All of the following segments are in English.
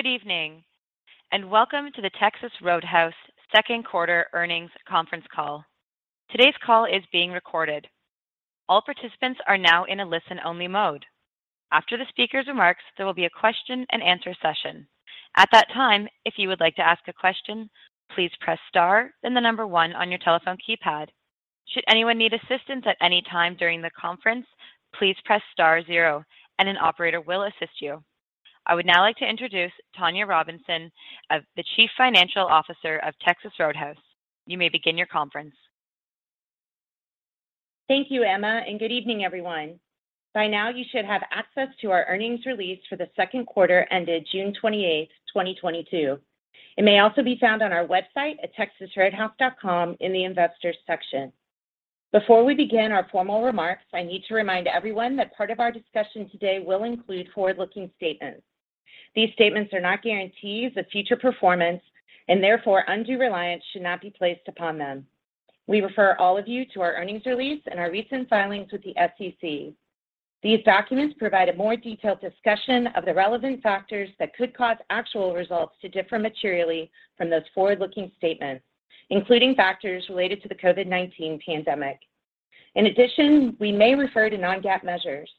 Good evening, and welcome to the Texas Roadhouse second quarter earnings conference call. Today's call is being recorded. All participants are now in a listen-only mode. After the speaker's remarks, there will be a question-and-answer session. At that time, if you would like to ask a question, please press star then the number one on your telephone keypad. Should anyone need assistance at any time during the conference, please press star zero and an operator will assist you. I would now like to introduce Tonya Robinson, Chief Financial Officer of Texas Roadhouse. You may begin your conference. Thank you, Emma, and good evening, everyone. By now, you should have access to our earnings release for the second quarter ended June 28, 2022. It may also be found on our website at texasroadhouse.com in the Investors section. Before we begin our formal remarks, I need to remind everyone that part of our discussion today will include forward-looking statements. These statements are not guarantees of future performance, and therefore undue reliance should not be placed upon them. We refer all of you to our earnings release and our recent filings with the SEC. These documents provide a more detailed discussion of the relevant factors that could cause actual results to differ materially from those forward-looking statements, including factors related to the COVID-19 pandemic. In addition, we may refer to non-GAAP measures.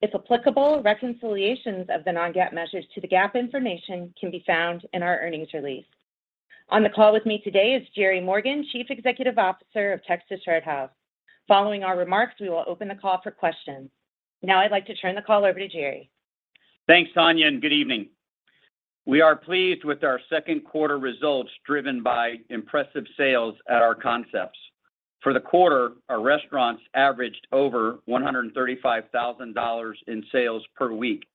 If applicable, reconciliations of the non-GAAP measures to the GAAP information can be found in our earnings release. On the call with me today is Jerry Morgan, Chief Executive Officer of Texas Roadhouse. Following our remarks, we will open the call for questions. Now I'd like to turn the call over to Jerry. Thanks, Tonya, and good evening. We are pleased with our second quarter results driven by impressive sales at our concepts. For the quarter, our restaurants averaged over $135,000 in sales per week.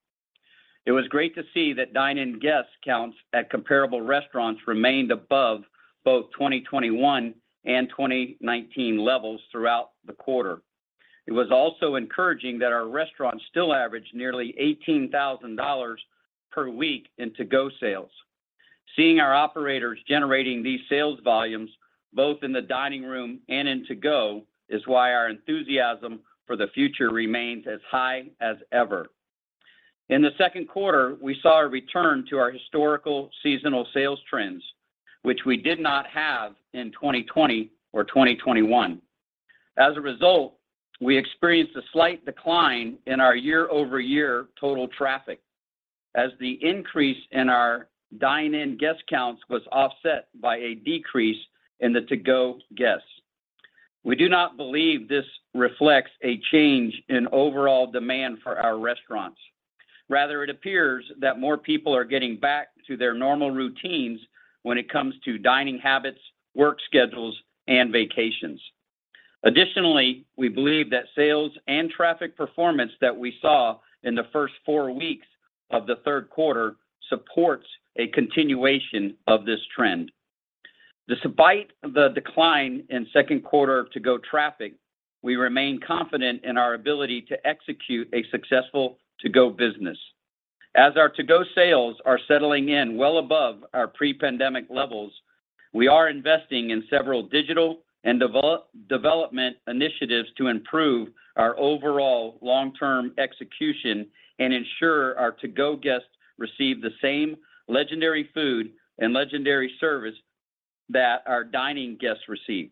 It was great to see that dine-in guest counts at comparable restaurants remained above both 2021 and 2019 levels throughout the quarter. It was also encouraging that our restaurants still averaged nearly $18,000 per week in to-go sales. Seeing our operators generating these sales volumes both in the dining room and in to-go is why our enthusiasm for the future remains as high as ever. In the second quarter, we saw a return to our historical seasonal sales trends, which we did not have in 2020 or 2021. As a result, we experienced a slight decline in our year-over-year total traffic as the increase in our dine-in guest counts was offset by a decrease in the to-go guests. We do not believe this reflects a change in overall demand for our restaurants. Rather, it appears that more people are getting back to their normal routines when it comes to dining habits, work schedules, and vacations. Additionally, we believe that sales and traffic performance that we saw in the first four weeks of the third quarter supports a continuation of this trend. Despite the decline in second quarter to-go traffic, we remain confident in our ability to execute a successful to-go business. As our to-go sales are settling in well above our pre-pandemic levels, we are investing in several digital and development initiatives to improve our overall long-term execution and ensure our to-go guests receive the same legendary food and legendary service that our dining guests receive.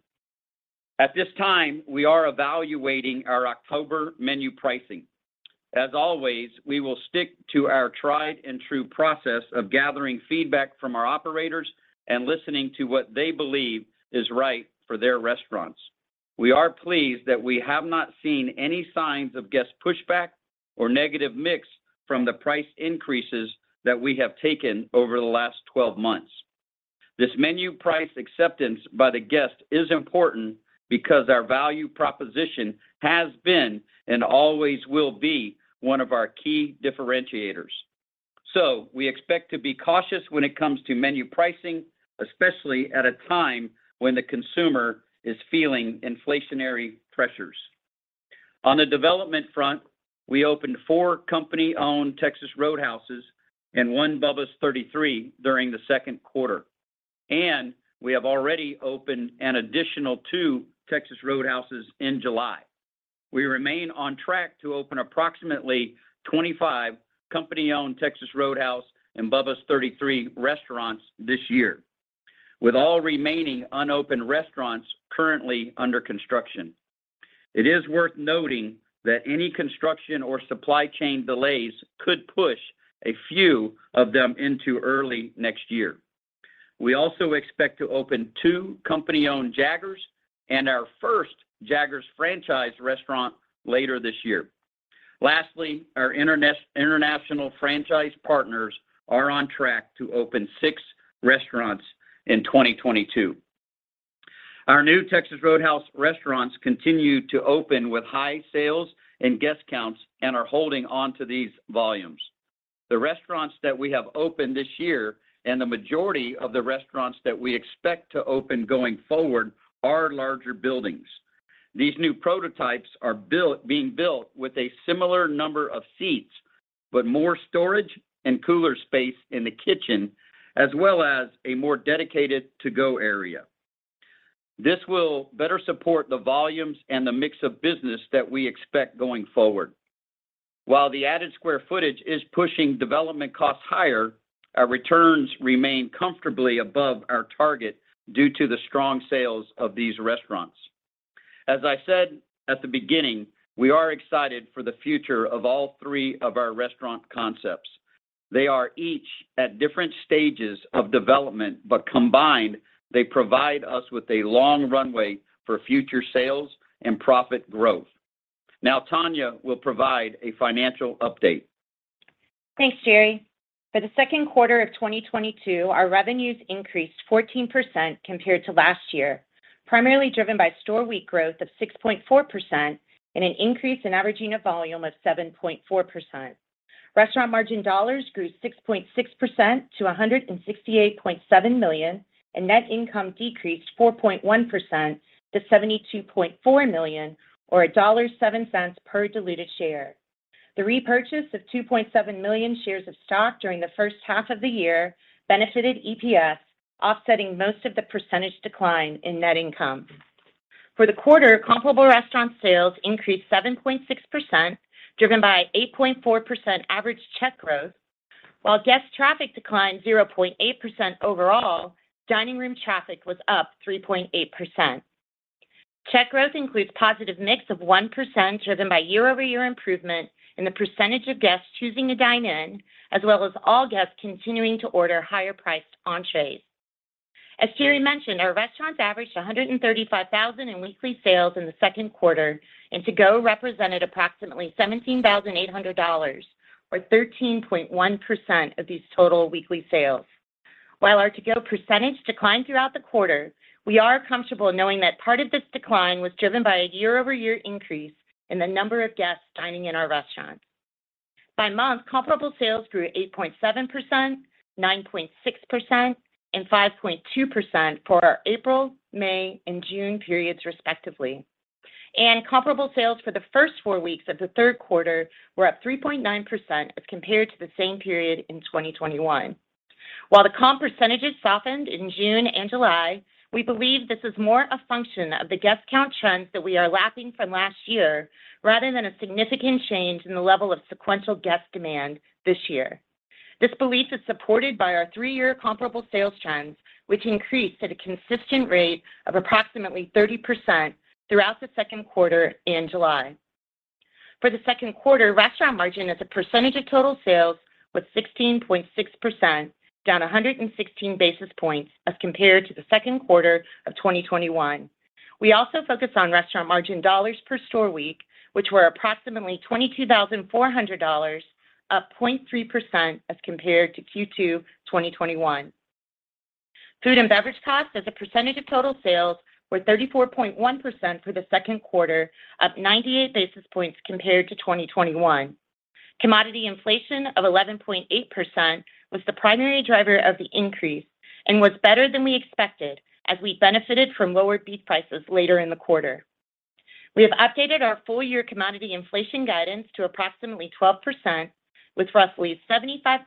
At this time, we are evaluating our October menu pricing. As always, we will stick to our tried and true process of gathering feedback from our operators and listening to what they believe is right for their restaurants. We are pleased that we have not seen any signs of guest pushback or negative mix from the price increases that we have taken over the last twelve months. This menu price acceptance by the guest is important because our value proposition has been and always will be one of our key differentiators. We expect to be cautious when it comes to menu pricing, especially at a time when the consumer is feeling inflationary pressures. On the development front, we opened 4 company-owned Texas Roadhouses and 1 Bubba's 33 during the second quarter, and we have already opened an additional 2 Texas Roadhouses in July. We remain on track to open approximately 25 company-owned Texas Roadhouse and Bubba's 33 restaurants this year, with all remaining unopened restaurants currently under construction. It is worth noting that any construction or supply chain delays could push a few of them into early next year. We also expect to open 2 company-owned Jaggers and our first Jaggers franchise restaurant later this year. Lastly, our international franchise partners are on track to open 6 restaurants in 2022. Our new Texas Roadhouse restaurants continue to open with high sales and guest counts and are holding on to these volumes. The restaurants that we have opened this year and the majority of the restaurants that we expect to open going forward are larger buildings. These new prototypes are being built with a similar number of seats, but more storage and cooler space in the kitchen as well as a more dedicated to-go area. This will better support the volumes and the mix of business that we expect going forward. While the added square footage is pushing development costs higher, our returns remain comfortably above our target due to the strong sales of these restaurants. As I said at the beginning, we are excited for the future of all three of our restaurant concepts. They are each at different stages of development, but combined, they provide us with a long runway for future sales and profit growth. Now, Tonya will provide a financial update. Thanks, Jerry. For the second quarter of 2022, our revenues increased 14% compared to last year, primarily driven by store week growth of 6.4% and an increase in average volume of 7.4%. Restaurant margin dollars grew 6.6% to $168.7 million, and net income decreased 4.1% to $72.4 million or $1.07 per diluted share. The repurchase of 2.7 million shares of stock during the first half of the year benefited EPS, offsetting most of the percentage decline in net income. For the quarter, comparable restaurant sales increased 7.6%, driven by 8.4% average check growth. While guest traffic declined 0.8% overall, dining room traffic was up 3.8%. Check growth includes positive mix of 1% driven by year-over-year improvement in the percentage of guests choosing to dine in, as well as all guests continuing to order higher-priced entrees. As Jerry mentioned, our restaurants averaged $135,000 in weekly sales in the second quarter, and to-go represented approximately $17,800, or 13.1% of these total weekly sales. While our to-go percentage declined throughout the quarter, we are comfortable knowing that part of this decline was driven by a year-over-year increase in the number of guests dining in our restaurant. By month, comparable sales grew 8.7%, 9.6%, and 5.2% for our April, May, and June periods, respectively. Comparable sales for the first four weeks of the third quarter were up 3.9% as compared to the same period in 2021. While the comp percentages softened in June and July, we believe this is more a function of the guest count trends that we are lapping from last year rather than a significant change in the level of sequential guest demand this year. This belief is supported by our three-year comparable sales trends, which increased at a consistent rate of approximately 30% throughout the second quarter in July. For the second quarter, restaurant margin as a percentage of total sales was 16.6%, down 116 basis points as compared to the second quarter of 2021. We also focus on restaurant margin dollars per store week, which were approximately $22,400, up 0.3% as compared to Q2 2021. Food and beverage costs as a percentage of total sales were 34.1% for the second quarter, up 98 basis points compared to 2021. Commodity inflation of 11.8% was the primary driver of the increase and was better than we expected as we benefited from lower beef prices later in the quarter. We have updated our full year commodity inflation guidance to approximately 12%, with roughly 75%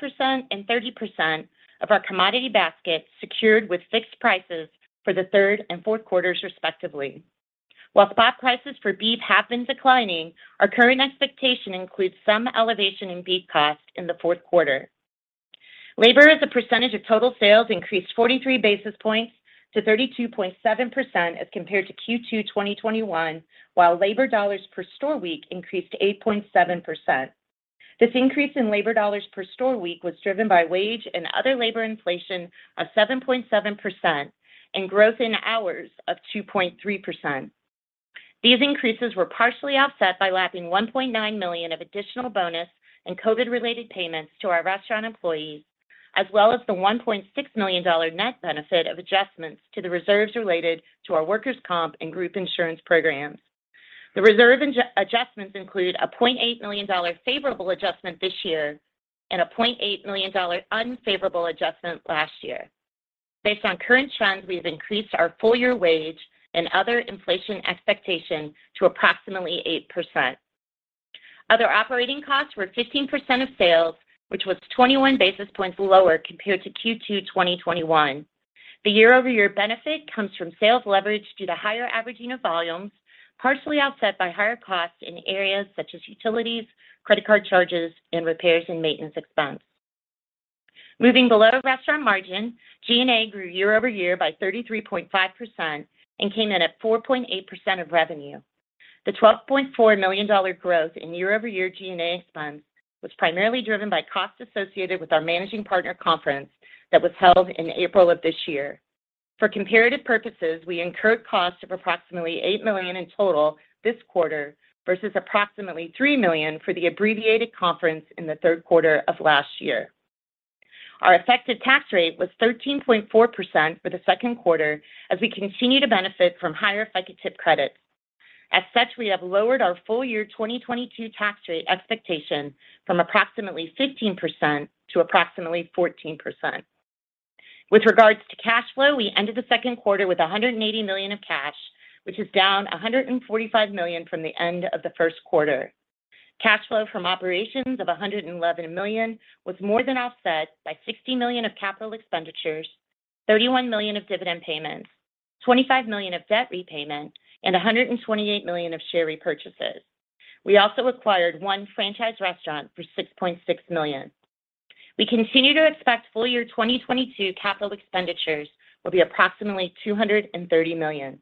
and 30% of our commodity basket secured with fixed prices for the third and fourth quarters, respectively. While spot prices for beef have been declining, our current expectation includes some elevation in beef cost in the fourth quarter. Labor as a percentage of total sales increased 43 basis points to 32.7% as compared to Q2 2021, while labor dollars per store week increased 8.7%. This increase in labor dollars per store week was driven by wage and other labor inflation of 7.7% and growth in hours of 2.3%. These increases were partially offset by lapping $1.9 million of additional bonus and COVID-related payments to our restaurant employees, as well as the $1.6 million net benefit of adjustments to the reserves related to our workers' comp and group insurance programs. The reserve adjustments include a $0.8 million favorable adjustment this year and a $0.8 million unfavorable adjustment last year. Based on current trends, we have increased our full year wage and other inflation expectations to approximately 8%. Other operating costs were 15% of sales, which was 21 basis points lower compared to Q2 2021. The year-over-year benefit comes from sales leverage due to higher averaging of volumes, partially offset by higher costs in areas such as utilities, credit card charges, and repairs and maintenance expense. Moving below restaurant margin, G&A grew year-over-year by 33.5% and came in at 4.8% of revenue. The $12.4 million growth in year-over-year G&A expense was primarily driven by costs associated with our managing partner conference that was held in April of this year. For comparative purposes, we incurred costs of approximately $8 million in total this quarter versus approximately $3 million for the abbreviated conference in the third quarter of last year. Our effective tax rate was 13.4% for the second quarter as we continue to benefit from higher FICA tip credits. As such, we have lowered our full year 2022 tax rate expectation from approximately 15% to approximately 14%. With regards to cash flow, we ended the second quarter with $180 million of cash, which is down $145 million from the end of the first quarter. Cash flow from operations of $111 million was more than offset by $60 million of capital expenditures, $31 million of dividend payments, $25 million of debt repayment, and $128 million of share repurchases. We also acquired one franchise restaurant for $6.6 million. We continue to expect full year 2022 capital expenditures will be approximately $230 million.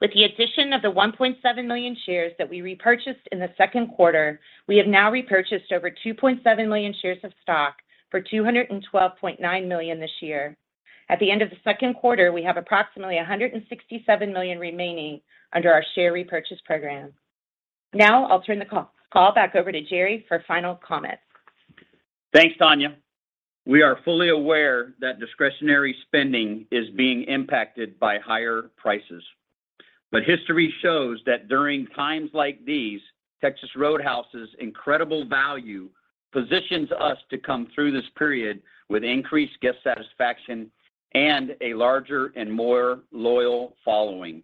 With the addition of the 1.7 million shares that we repurchased in the second quarter, we have now repurchased over 2.7 million shares of stock for $212.9 million this year. At the end of the second quarter, we have approximately 167 million remaining under our share repurchase program. Now I'll turn the call back over to Jerry for final comments. Thanks, Tonya. We are fully aware that discretionary spending is being impacted by higher prices. History shows that during times like these, Texas Roadhouse's incredible value positions us to come through this period with increased guest satisfaction and a larger and more loyal following.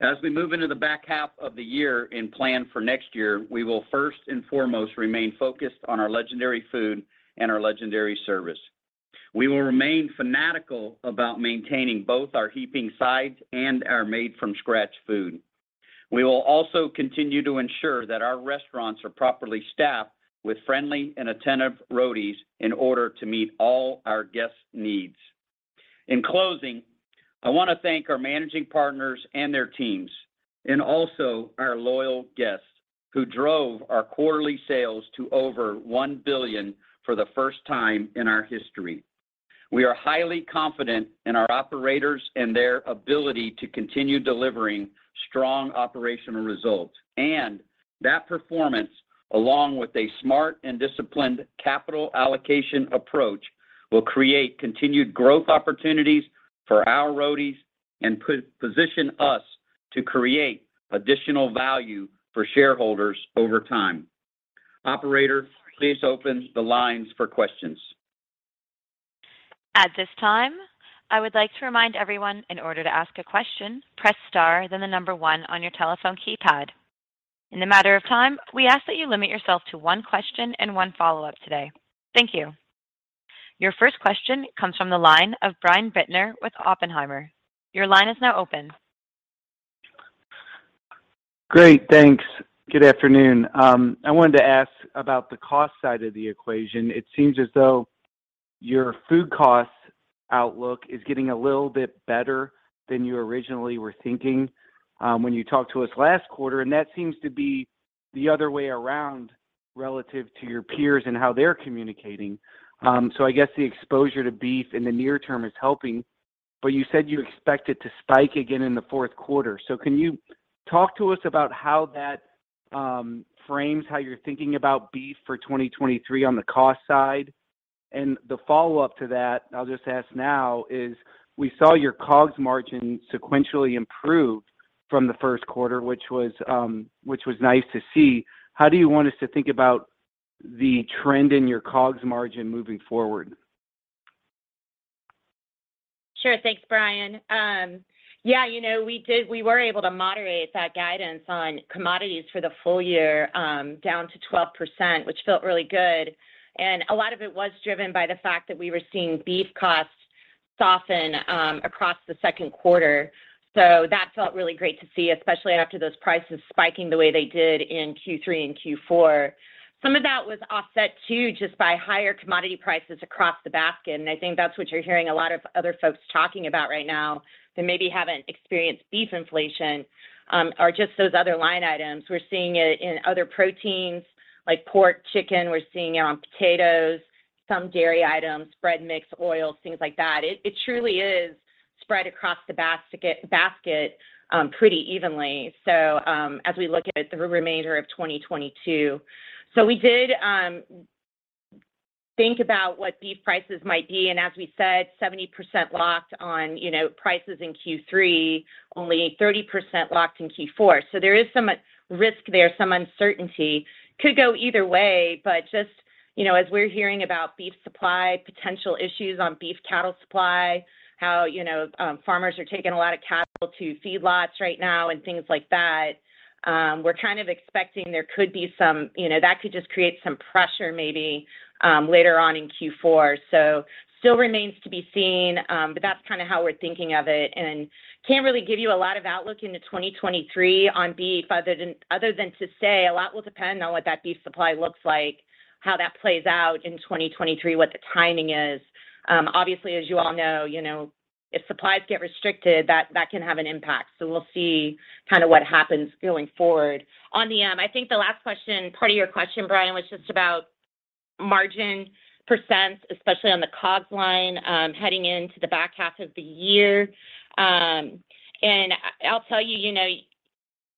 As we move into the back half of the year and plan for next year, we will first and foremost remain focused on our legendary food and our legendary service. We will remain fanatical about maintaining both our heaping sides and our made from scratch food. We will also continue to ensure that our restaurants are properly staffed with friendly and attentive Roadies in order to meet all our guests' needs. In closing, I want to thank our managing partners and their teams, and also our loyal guests who drove our quarterly sales to over $1 billion for the first time in our history. We are highly confident in our operators and their ability to continue delivering strong operational results. That performance, along with a smart and disciplined capital allocation approach, will create continued growth opportunities for our Roadies and position us to create additional value for shareholders over time. Operator, please open the lines for questions. At this time, I would like to remind everyone in order to ask a question, press star, then 1 on your telephone keypad. In the interest of time, we ask that you limit yourself to one question and one follow-up today. Thank you. Your first question comes from the line of Brian Bittner with Oppenheimer. Your line is now open. Great. Thanks. Good afternoon. I wanted to ask about the cost side of the equation. It seems as though your food cost outlook is getting a little bit better than you originally were thinking, when you talked to us last quarter, and that seems to be the other way around relative to your peers and how they're communicating. I guess the exposure to beef in the near term is helping, but you said you expect it to spike again in the fourth quarter. Can you talk to us about how that frames how you're thinking about beef for 2023 on the cost side? The follow-up to that, I'll just ask now, is we saw your COGS margin sequentially improve from the first quarter, which was nice to see. How do you want us to think about the trend in your COGS margin moving forward? Sure. Thanks, Brian. Yeah, you know, we were able to moderate that guidance on commodities for the full year down to 12%, which felt really good. A lot of it was driven by the fact that we were seeing beef costs soften across the second quarter. That felt really great to see, especially after those prices spiking the way they did in Q3 and Q4. Some of that was offset, too, just by higher commodity prices across the basket. I think that's what you're hearing a lot of other folks talking about right now that maybe haven't experienced beef inflation or just those other line items. We're seeing it in other proteins like pork, chicken. We're seeing it on potatoes, some dairy items, bread mix, oils, things like that. It truly is spread across the basket pretty evenly, as we look at the remainder of 2022. We did think about what beef prices might be, and as we said, 70% locked on, you know, prices in Q3, only 30% locked in Q4. There is some risk there, some uncertainty. Could go either way, but just, you know, as we're hearing about beef supply, potential issues on beef cattle supply, how, you know, farmers are taking a lot of cattle to feedlots right now and things like that, we're kind of expecting there could be some, you know, that could just create some pressure maybe later on in Q4. Still remains to be seen, but that's kind of how we're thinking of it. Can't really give you a lot of outlook into 2023 on beef other than to say a lot will depend on what that beef supply looks like, how that plays out in 2023, what the timing is. Obviously, as you all know, you know, if supplies get restricted, that can have an impact. We'll see kind of what happens going forward. On the, I think the last question, part of your question, Brian, was just about margin percent, especially on the COGS line, heading into the back half of the year. I'll tell you know,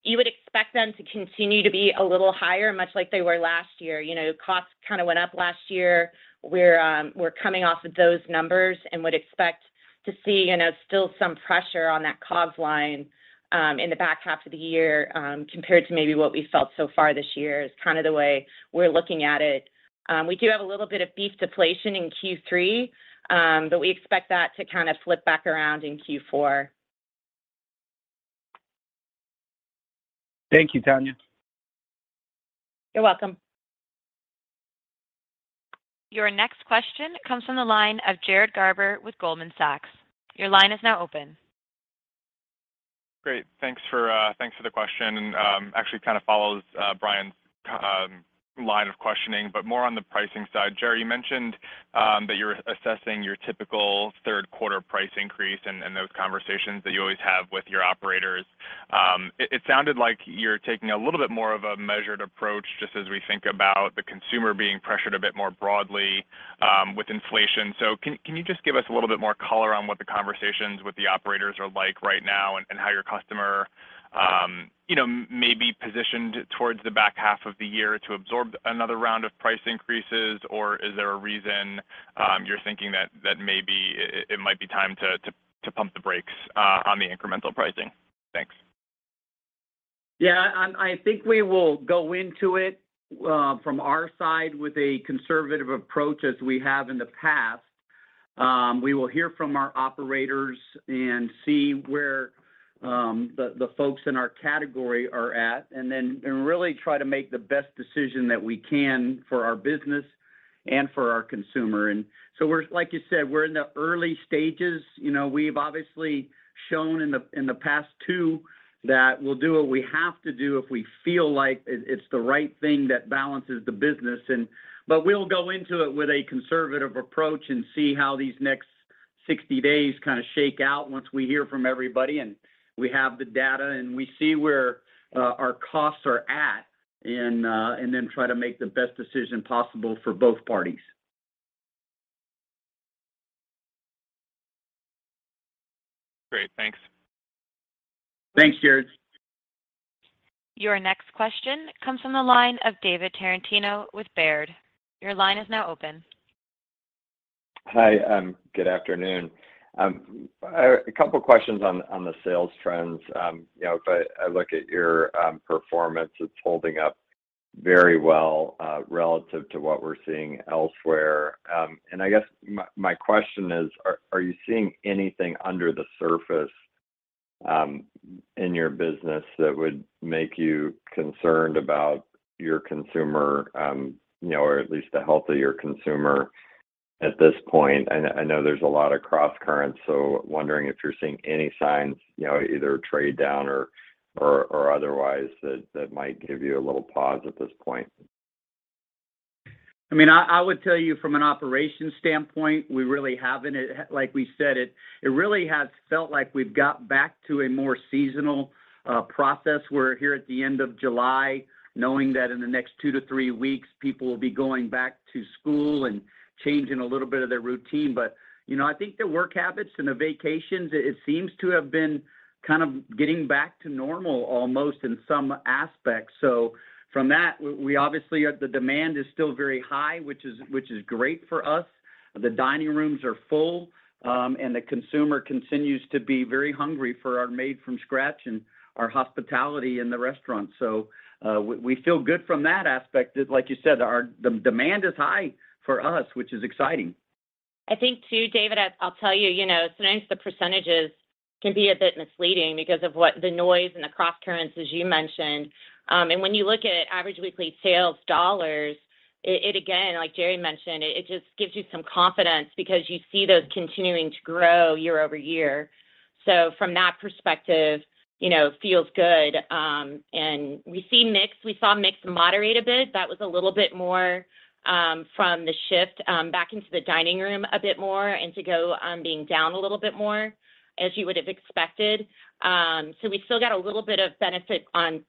you would expect them to continue to be a little higher, much like they were last year. You know, costs kind of went up last year. We're coming off of those numbers and would expect to see, you know, still some pressure on that COGS line, in the back half of the year, compared to maybe what we felt so far this year is kind of the way we're looking at it. We do have a little bit of beef deflation in Q3, but we expect that to kind of flip back around in Q4. Thank you, Tonya. You're welcome. Your next question comes from the line of Jared Garber with Goldman Sachs. Your line is now open. Great. Thanks for the question and actually kind of follows Brian's line of questioning, but more on the pricing side. Jerry, you mentioned that you're assessing your typical third quarter price increase and those conversations that you always have with your operators. It sounded like you're taking a little bit more of a measured approach just as we think about the consumer being pressured a bit more broadly with inflation. Can you just give us a little bit more color on what the conversations with the operators are like right now and how your customer you know may be positioned towards the back half of the year to absorb another round of price increases? Is there a reason you're thinking that maybe it might be time to pump the brakes on the incremental pricing? Thanks. Yeah. I think we will go into it from our side with a conservative approach as we have in the past. We will hear from our operators and see where the folks in our category are at, and then really try to make the best decision that we can for our business and for our consumer. Like you said, we're in the early stages. You know, we've obviously shown in the past too that we'll do what we have to do if we feel like it. It's the right thing that balances the business. We'll go into it with a conservative approach and see how these next 60 days kind of shake out once we hear from everybody, and we have the data, and we see where our costs are at and then try to make the best decision possible for both parties. Great. Thanks. Thanks, Jared. Your next question comes from the line of David Tarantino with Baird. Your line is now open. Hi, good afternoon. A couple questions on the sales trends. You know, if I look at your performance, it's holding up very well relative to what we're seeing elsewhere. I guess my question is, are you seeing anything under the surface in your business that would make you concerned about your consumer, you know, or at least the health of your consumer at this point? I know there's a lot of cross currents, so wondering if you're seeing any signs, you know, either trade down or otherwise that might give you a little pause at this point. I mean, I would tell you from an operations standpoint, we really haven't. Like we said, it really has felt like we've got back to a more seasonal process. We're here at the end of July knowing that in the next 2-3 weeks, people will be going back to school and changing a little bit of their routine. You know, I think the work habits and the vacations, it seems to have been kind of getting back to normal almost in some aspects. From that, we obviously are the demand is still very high, which is great for us. The dining rooms are full, and the consumer continues to be very hungry for our made from scratch and our hospitality in the restaurant. We feel good from that aspect. Just like you said, the demand is high for us, which is exciting. I think too, David, I'll tell you know, sometimes the percentages can be a bit misleading because of with the noise and the cross currents, as you mentioned. When you look at average weekly sales dollars, it again, like Jerry mentioned, it just gives you some confidence because you see those continuing to grow year-over-year. From that perspective, you know, feels good. We see mix. We saw mix moderate a bit. That was a little bit more from the shift back into the dining room a bit more and to-go being down a little bit more as you would have expected. We still got a little bit of benefit on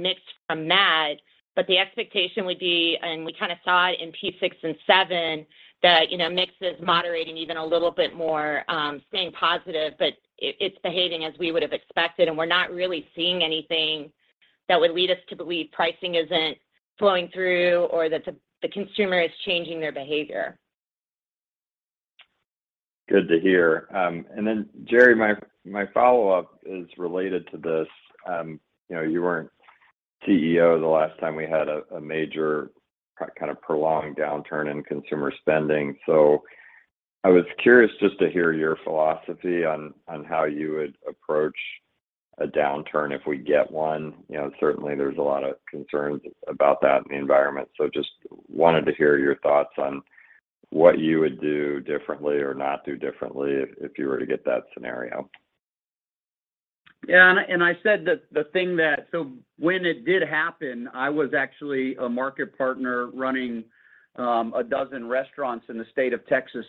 mix from that, but the expectation would be, and we kind of saw it in P 6 and 7, that, you know, mix is moderating even a little bit more. Staying positive, but it's behaving as we would have expected, and we're not really seeing anything that would lead us to believe pricing isn't flowing through or that the consumer is changing their behavior. Good to hear. Jerry, my follow-up is related to this. You know, you weren't CEO the last time we had a major kind of prolonged downturn in consumer spending. I was curious just to hear your philosophy on how you would approach a downturn if we get one. You know, certainly there's a lot of concerns about that in the environment. Just wanted to hear your thoughts on what you would do differently or not do differently if you were to get that scenario. Yeah. When it did happen, I was actually a market partner running 12 restaurants in the state of Texas.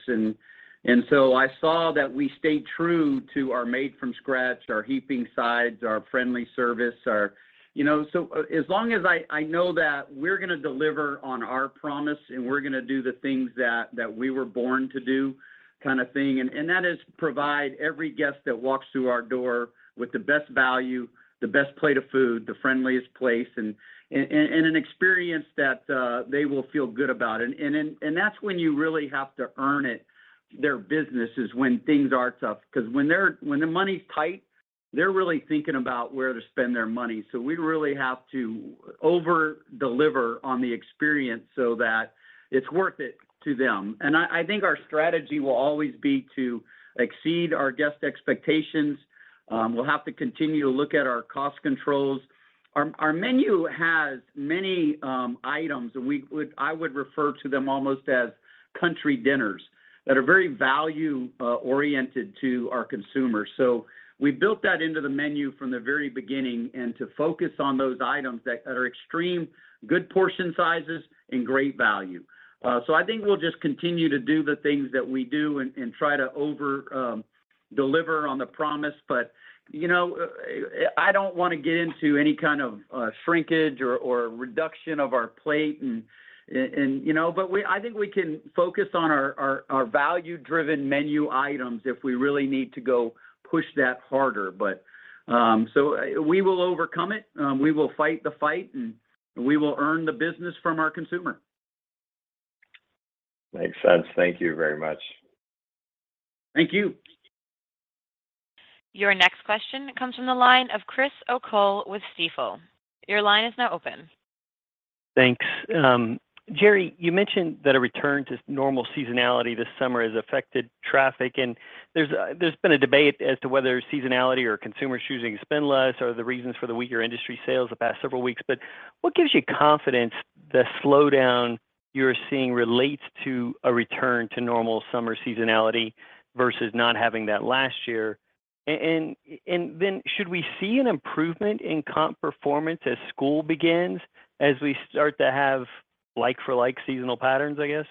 I saw that we stayed true to our made from scratch, our heaping sides, our friendly service, you know. As long as I know that we're gonna deliver on our promise, and we're gonna do the things that we were born to do kind of thing, and that is provide every guest that walks through our door with the best value, the best plate of food, the friendliest place, and an experience that they will feel good about. That's when you really have to earn it, their business, when things are tough. Because when the money's tight, they're really thinking about where to spend their money. We really have to overdeliver on the experience so that it's worth it to them. I think our strategy will always be to exceed our guest expectations. We'll have to continue to look at our cost controls. Our menu has many items, and I would refer to them almost as Country Dinners that are very value oriented to our consumers. We built that into the menu from the very beginning and to focus on those items that are extremely good portion sizes and great value. I think we'll just continue to do the things that we do and try to overdeliver on the promise. You know, I don't wanna get into any kind of shrinkage or reduction of our plate and you know. I think we can focus on our value-driven menu items if we really need to go push that harder. We will overcome it, we will fight the fight, and we will earn the business from our consumer. Makes sense. Thank you very much. Thank you. Your next question comes from the line of Christopher O'Cull with Stifel. Your line is now open. Thanks. Jerry, you mentioned that a return to normal seasonality this summer has affected traffic, and there's been a debate as to whether seasonality or consumers choosing to spend less are the reasons for the weaker industry sales the past several weeks. What gives you confidence the slowdown you're seeing relates to a return to normal summer seasonality versus not having that last year? And then should we see an improvement in comp performance as school begins, as we start to have like-for-like seasonal patterns, I guess?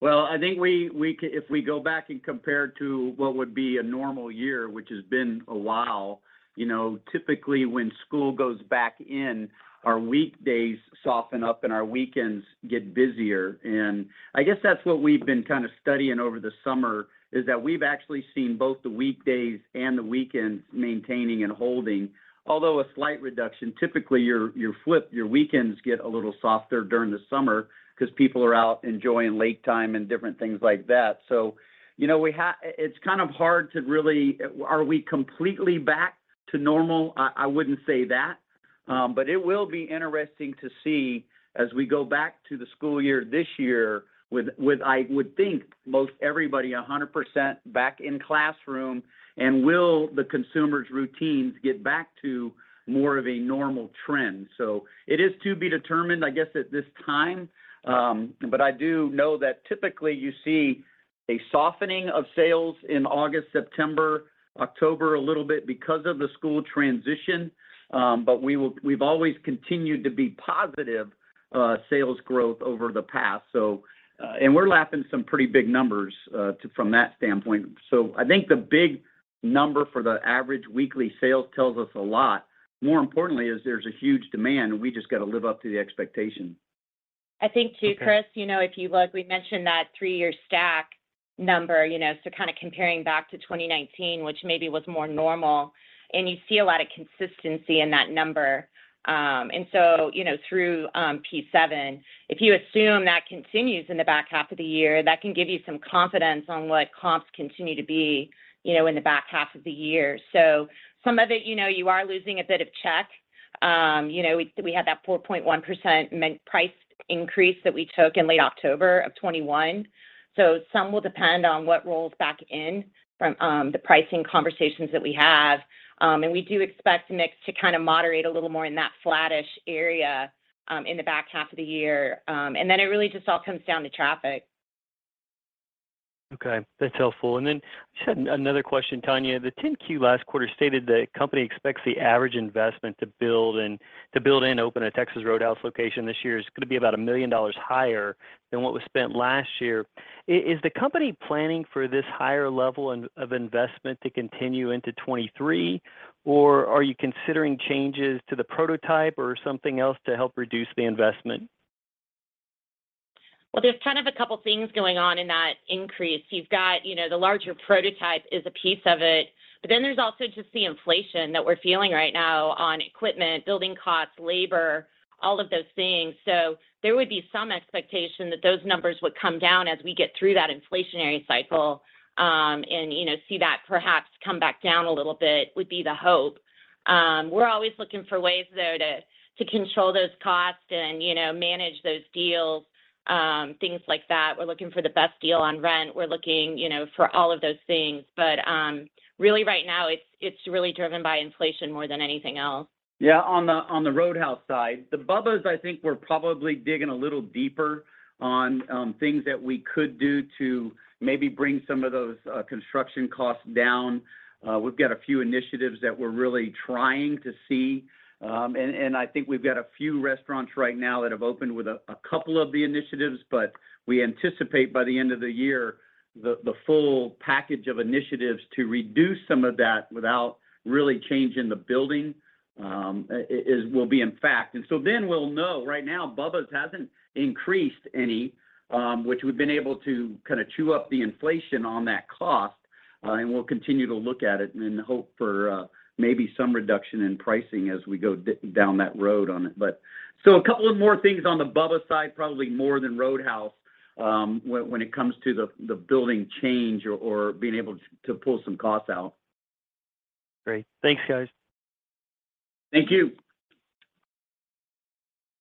Well, I think if we go back and compare to what would be a normal year, which has been a while, you know, typically when school goes back in, our weekdays soften up and our weekends get busier. I guess that's what we've been kind of studying over the summer, is that we've actually seen both the weekdays and the weekends maintaining and holding. Although a slight reduction, typically your flip, your weekends get a little softer during the summer because people are out enjoying lake time and different things like that. You know, it's kind of hard to really. Are we completely back to normal? I wouldn't say that. It will be interesting to see as we go back to the school year this year with, I would think, most everybody 100% back in classroom, and will the consumers' routines get back to more of a normal trend. It is to be determined, I guess, at this time. I do know that typically you see a softening of sales in August, September, October a little bit because of the school transition. We've always continued to be positive sales growth over the past. We're lapping some pretty big numbers from that standpoint. I think the big number for the average weekly sales tells us a lot. More importantly, there's a huge demand, and we just got to live up to the expectation. I think too, Chris, you know, if you look, we mentioned that 3-year stack number, you know, so kind of comparing back to 2019, which maybe was more normal, and you see a lot of consistency in that number. You know, through P7, if you assume that continues in the back half of the year, that can give you some confidence on what comps continue to be, you know, in the back half of the year. Some of it, you know, you are losing a bit of check. You know, we had that 4.1% menu price increase that we took in late October of 2021. Some will depend on what rolls back in from the pricing conversations that we have. We do expect mix to kind of moderate a little more in that flattish area, in the back half of the year. It really just all comes down to traffic. Okay, that's helpful. Just had another question, Tonya. The 10-Q last quarter stated the company expects the average investment to build and open a Texas Roadhouse location this year is going to be about $1 million higher than what was spent last year. Is the company planning for this higher level of investment to continue into 2023, or are you considering changes to the prototype or something else to help reduce the investment? Well, there's kind of a couple things going on in that increase. You've got, you know, the larger prototype is a piece of it, but then there's also just the inflation that we're feeling right now on equipment, building costs, labor, all of those things. There would be some expectation that those numbers would come down as we get through that inflationary cycle, and, you know, see that perhaps come back down a little bit, would be the hope. We're always looking for ways, though, to control those costs and, you know, manage those deals, things like that. We're looking for the best deal on rent. We're looking, you know, for all of those things. Really right now, it's really driven by inflation more than anything else. Yeah, on the Roadhouse side. The Bubba's 33, I think we're probably digging a little deeper on things that we could do to maybe bring some of those construction costs down. We've got a few initiatives that we're really trying to see. I think we've got a few restaurants right now that have opened with a couple of the initiatives, but we anticipate by the end of the year, the full package of initiatives to reduce some of that without really changing the building, will be in effect. We'll know. Right now, Bubba's hasn't increased any, which we've been able to kind of chew up the inflation on that cost, and we'll continue to look at it and then hope for maybe some reduction in pricing as we go down that road on it. A couple of more things on the Bubba's side, probably more than Roadhouse, when it comes to the building change or being able to pull some costs out. Great. Thanks, guys. Thank you.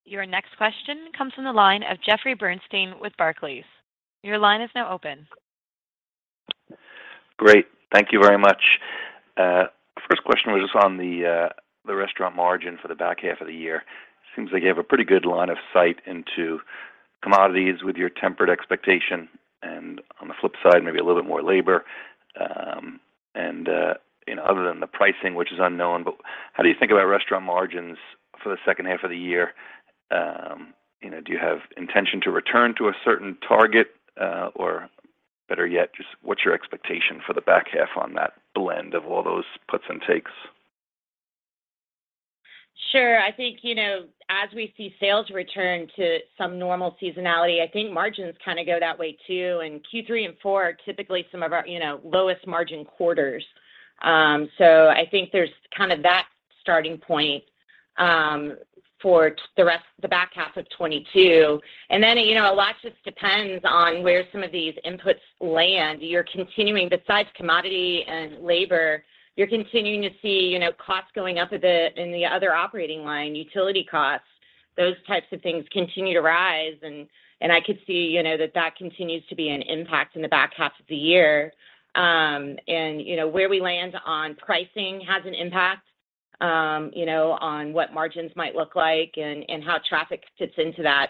Your next question comes from the line of Jeffrey Bernstein with Barclays. Your line is now open. Great. Thank you very much. First question was just on the restaurant margin for the back half of the year. Seems like you have a pretty good line of sight into commodities with your tempered expectation, and on the flip side, maybe a little bit more labor. You know, other than the pricing, which is unknown, but how do you think about restaurant margins for the second half of the year? You know, do you have intention to return to a certain target? Or better yet, just what's your expectation for the back half on that blend of all those puts and takes? Sure. I think, you know, as we see sales return to some normal seasonality, I think margins kinda go that way too, and Q3 and 4 are typically some of our, you know, lowest margin quarters. So I think there's kind of that starting point for the rest, the back half of 2022. Then, you know, a lot just depends on where some of these inputs land. You're continuing, besides commodity and labor, you're continuing to see, you know, costs going up a bit in the other operating line, utility costs. Those types of things continue to rise, and I could see, you know, that continues to be an impact in the back half of the year. You know, where we land on pricing has an impact, you know, on what margins might look like and how traffic fits into that.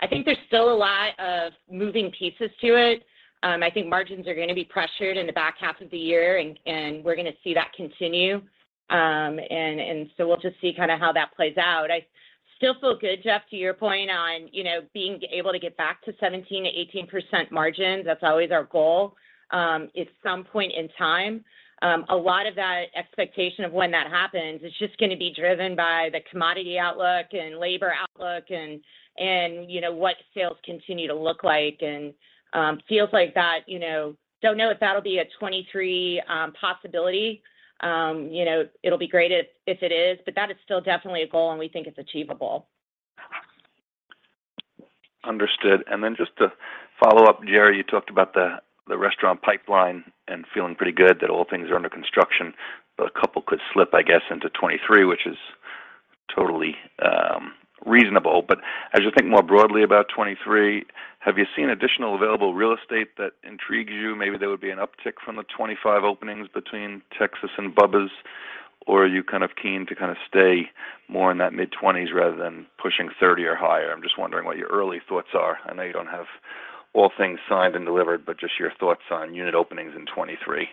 I think there's still a lot of moving pieces to it. I think margins are gonna be pressured in the back half of the year and we're gonna see that continue. We'll just see kinda how that plays out. I still feel good, Jeff, to your point on, you know, being able to get back to 17%-18% margins, that's always our goal, at some point in time. A lot of that expectation of when that happens is just gonna be driven by the commodity outlook and labor outlook and, you know, what sales continue to look like. Feels like that, you know, don't know if that'll be a 2023 possibility. You know, it'll be great if it is, but that is still definitely a goal, and we think it's achievable. Understood. Just to follow up, Jerry, you talked about the restaurant pipeline and feeling pretty good that all things are under construction, but a couple could slip, I guess, into 2023, which is totally reasonable. As you think more broadly about 2023, have you seen additional available real estate that intrigues you? Maybe there would be an uptick from the 25 openings between Texas and Bubba's, or are you kind of keen to kind of stay more in that mid-20s rather than pushing 30 or higher? I'm just wondering what your early thoughts are. I know you don't have all things signed and delivered, but just your thoughts on unit openings in 2023.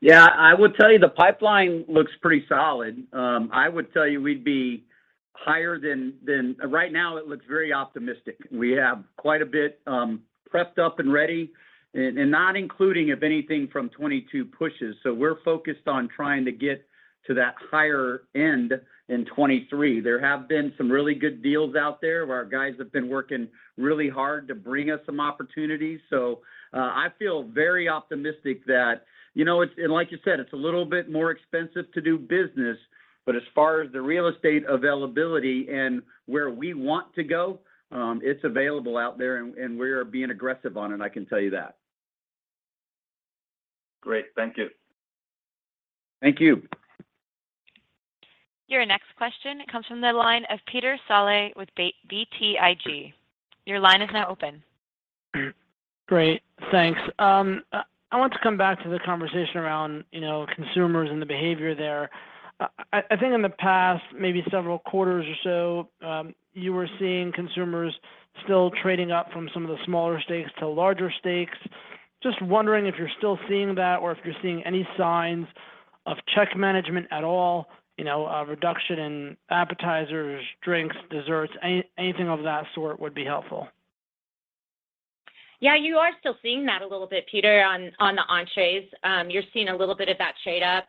Yeah. I would tell you the pipeline looks pretty solid. I would tell you we'd be higher than. Right now it looks very optimistic. We have quite a bit prepped up and ready and not including, if anything, from 2022 pushes. We're focused on trying to get to that higher end in 2023. There have been some really good deals out there where our guys have been working really hard to bring us some opportunities. I feel very optimistic that, you know, it's and like you said, it's a little bit more expensive to do business, but as far as the real estate availability and where we want to go, it's available out there and we're being aggressive on it, I can tell you that. Great. Thank you. Thank you. Your next question comes from the line of Peter Saleh with BTIG. Your line is now open. Great. Thanks. I want to come back to the conversation around, you know, consumers and the behavior there. I think in the past maybe several quarters or so, you were seeing consumers still trading up from some of the smaller steaks to larger steaks. Just wondering if you're still seeing that or if you're seeing any signs of check management at all, you know, a reduction in appetizers, drinks, desserts. Anything of that sort would be helpful. Yeah, you are still seeing that a little bit, Peter, on the entrees. You're seeing a little bit of that trade up.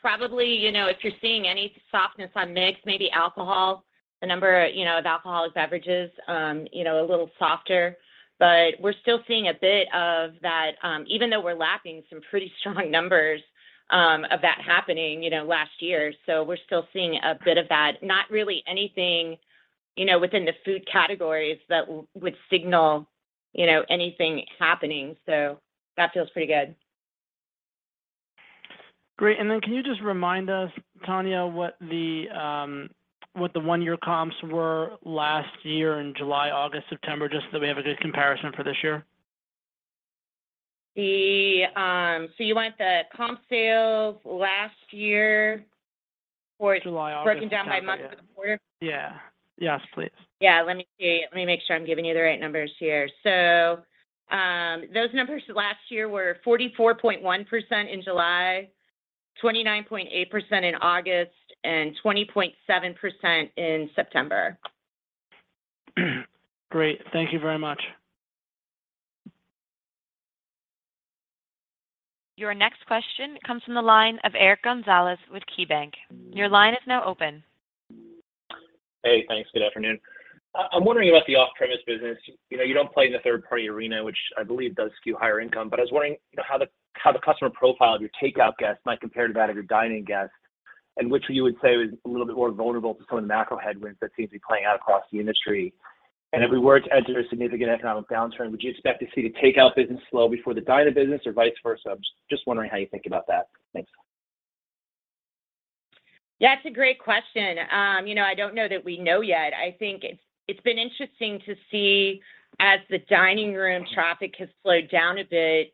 Probably, you know, if you're seeing any softness on mix, maybe alcohol, the number, you know, of alcoholic beverages, you know, a little softer. But we're still seeing a bit of that, even though we're lapping some pretty strong numbers of that happening, you know, last year. We're still seeing a bit of that. Not really anything, you know, within the food categories that would signal, you know, anything happening. That feels pretty good. Great. Can you just remind us, Tonya, what the one-year comps were last year in July, August, September, just so that we have a good comparison for this year? You want the comp sales last year or- July, August, September. broken down by month for the quarter? Yeah. Yes, please. Yeah. Let me see. Let me make sure I'm giving you the right numbers here. Those numbers last year were 44.1% in July, 29.8% in August, and 20.7% in September. Great. Thank you very much. Your next question comes from the line of Eric Gonzalez with KeyBanc. Your line is now open. Hey, thanks. Good afternoon. I'm wondering about the off-premise business. You know, you don't play in the third party arena, which I believe does skew higher income, but I was wondering, you know, how the customer profile of your takeout guests might compare to that of your dining guests, and which you would say was a little bit more vulnerable to some of the macro headwinds that seem to be playing out across the industry? If we were to enter a significant economic downturn, would you expect to see the takeout business slow before the dine-in business or vice versa? I'm just wondering how you think about that. Thanks. That's a great question. You know, I don't know that we know yet. I think it's been interesting to see as the dining room traffic has slowed down a bit,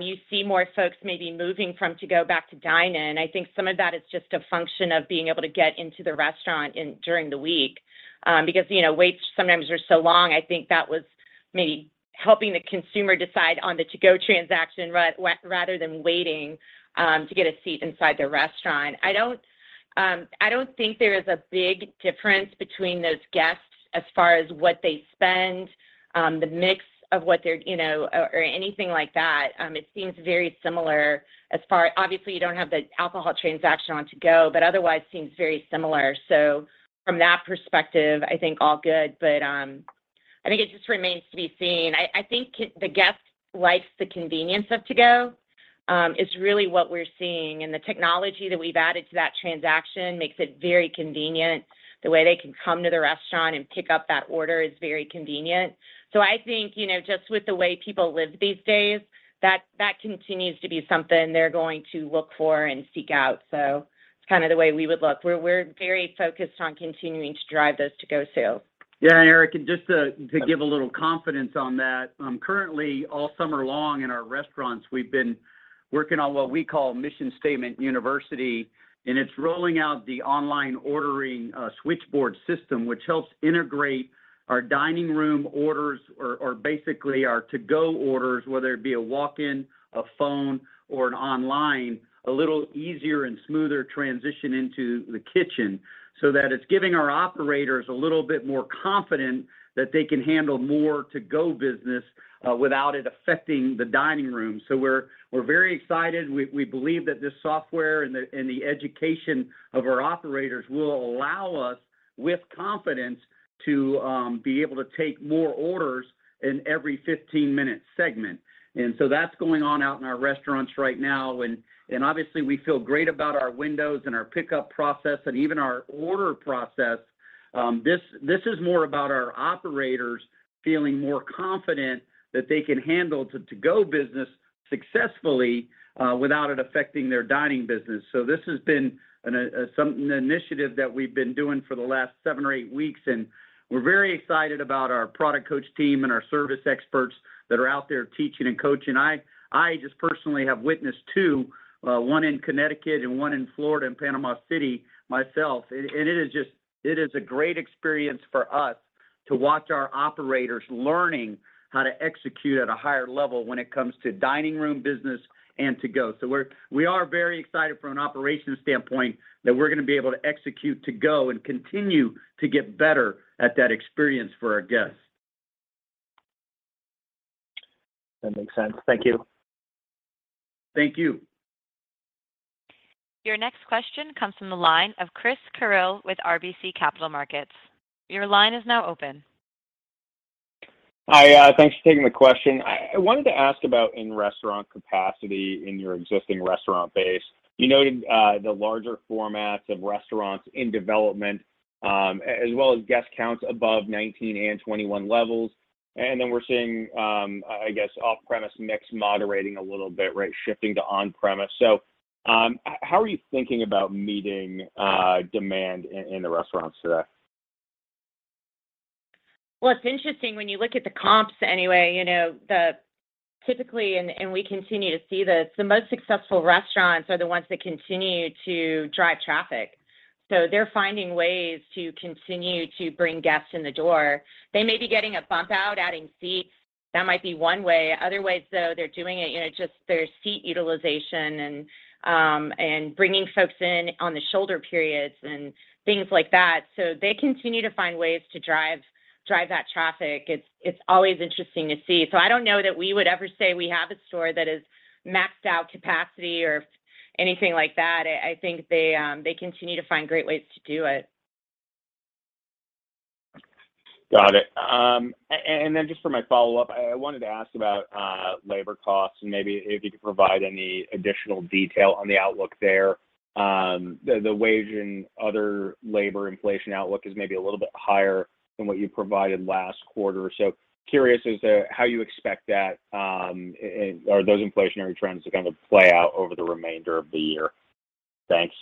you see more folks maybe moving from to-go back to dine-in. I think some of that is just a function of being able to get into the restaurant in, during the week. Because, you know, waits sometimes are so long. I think that was maybe helping the consumer decide on the to-go transaction rather than waiting, to get a seat inside the restaurant. I don't think there is a big difference between those guests as far as what they spend, the mix of what they're, you know, or anything like that. It seems very similar as far. Obviously, you don't have the alcohol transaction on to-go, but otherwise seems very similar. From that perspective, I think all good. I think it just remains to be seen. I think the guest likes the convenience of to-go is really what we're seeing. The technology that we've added to that transaction makes it very convenient. The way they can come to the restaurant and pick up that order is very convenient. I think, you know, just with the way people live these days, that continues to be something they're going to look for and seek out. It's kind of the way we would look. We're very focused on continuing to drive those to-go sales. Yeah, Eric, just to give a little confidence on that, currently, all summer long in our restaurants, we've been working on what we call Mission Statement University, and it's rolling out the online ordering switchboard system, which helps integrate our dining room orders or basically our to-go orders, whether it be a walk-in, a phone or an online, a little easier and smoother transition into the kitchen so that it's giving our operators a little bit more confidence that they can handle more to-go business without it affecting the dining room. We're very excited. We believe that this software and the education of our operators will allow us, with confidence, to be able to take more orders in every 15-minute segment. That's going on out in our restaurants right now. Obviously we feel great about our windows and our pickup process and even our order process. This is more about our operators feeling more confident that they can handle to-go business successfully without it affecting their dining business. This has been an initiative that we've been doing for the last seven or eight weeks, and we're very excited about our product coach team and our service experts that are out there teaching and coaching. I just personally have witnessed two, one in Connecticut and one in Florida in Panama City myself. It is just a great experience for us to watch our operators learning how to execute at a higher level when it comes to dining room business and to-go. We are very excited from an operations standpoint that we're gonna be able to execute to-go and continue to get better at that experience for our guests. That makes sense. Thank you. Thank you. Your next question comes from the line of Christopher Carril with RBC Capital Markets. Your line is now open. Hi. Thanks for taking the question. I wanted to ask about in-restaurant capacity in your existing restaurant base. You noted the larger formats of restaurants in development, as well as guest counts above 19 and 21 levels. We're seeing, I guess, off-premise mix moderating a little bit, right, shifting to on-premise. How are you thinking about meeting demand in the restaurants today? Well, it's interesting when you look at the comps anyway, you know, typically, and we continue to see this, the most successful restaurants are the ones that continue to drive traffic. They're finding ways to continue to bring guests in the door. They may be getting a bump out, adding seats. That might be one way. Other ways, though, they're doing it, you know, just their seat utilization and bringing folks in on the shoulder periods and things like that. They continue to find ways to drive that traffic. It's always interesting to see. I don't know that we would ever say we have a store that is maxed out capacity or anything like that. I think they continue to find great ways to do it. Got it. And then just for my follow-up, I wanted to ask about labor costs and maybe if you could provide any additional detail on the outlook there. The wage and other labor inflation outlook is maybe a little bit higher than what you provided last quarter. Curious as to how you expect that or those inflationary trends to kind of play out over the remainder of the year. Thanks.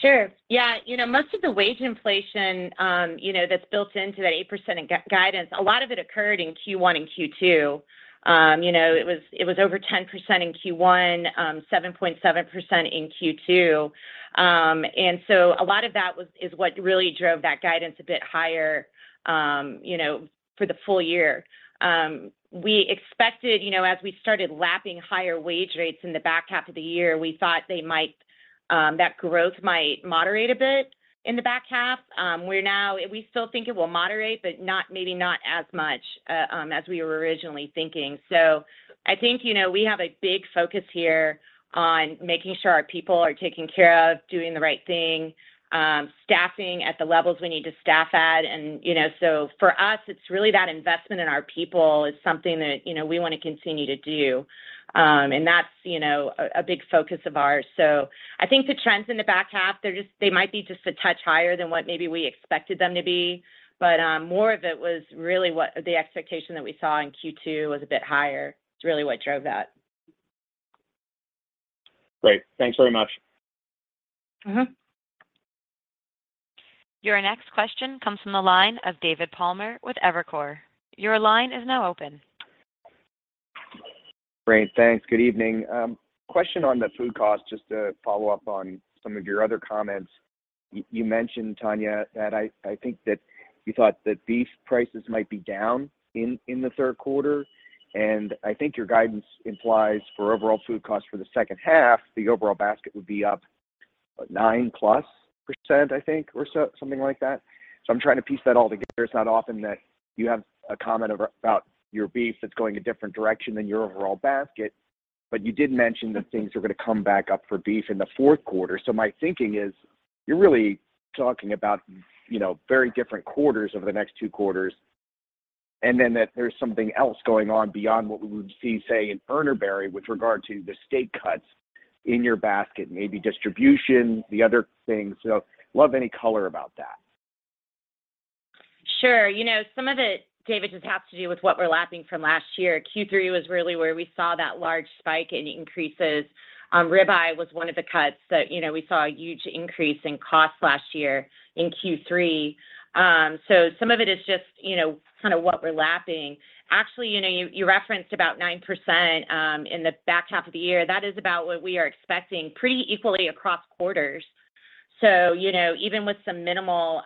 Sure. Yeah. You know, most of the wage inflation, that's built into that 8% guidance, a lot of it occurred in Q1 and Q2. You know, it was over 10% in Q1, 7.7% in Q2. A lot of that is what really drove that guidance a bit higher, you know, for the full year. We expected, you know, as we started lapping higher wage rates in the back half of the year, we thought that growth might moderate a bit in the back half. We still think it will moderate, but maybe not as much as we were originally thinking. I think, you know, we have a big focus here on making sure our people are taken care of, doing the right thing, staffing at the levels we need to staff at. For us, it's really that investment in our people is something that, you know, we wanna continue to do. That's, you know, a big focus of ours. I think the trends in the back half, they might be just a touch higher than what maybe we expected them to be. More of it was really what the expectation that we saw in Q2 was a bit higher. It's really what drove that. Great. Thanks very much. Mm-hmm. Your next question comes from the line of David Palmer with Evercore. Your line is now open. Great, thanks. Good evening. Question on the food cost, just to follow up on some of your other comments. You mentioned, Tonya, that I think that you thought that beef prices might be down in the third quarter, and I think your guidance implies for overall food costs for the second half, the overall basket would be up, what, 9%+, I think, or so, something like that. I'm trying to piece that all together. It's not often that you have a comment about your beef that's going a different direction than your overall basket, but you did mention that things are gonna come back up for beef in the fourth quarter. My thinking is you're really talking about, you know, very different quarters over the next two quarters, and then that there's something else going on beyond what we would see, say, in Urner Barry with regard to the steak cuts in your basket, maybe distribution, the other things. Love any color about that. Sure. You know, some of it, David, just has to do with what we're lapping from last year. Q3 was really where we saw that large spike in increases. Rib eye was one of the cuts that, you know, we saw a huge increase in cost last year in Q3. Some of it is just, you know, kind of what we're lapping. Actually, you know, you referenced about 9% in the back half of the year. That is about what we are expecting pretty equally across quarters. You know, even with some minimal.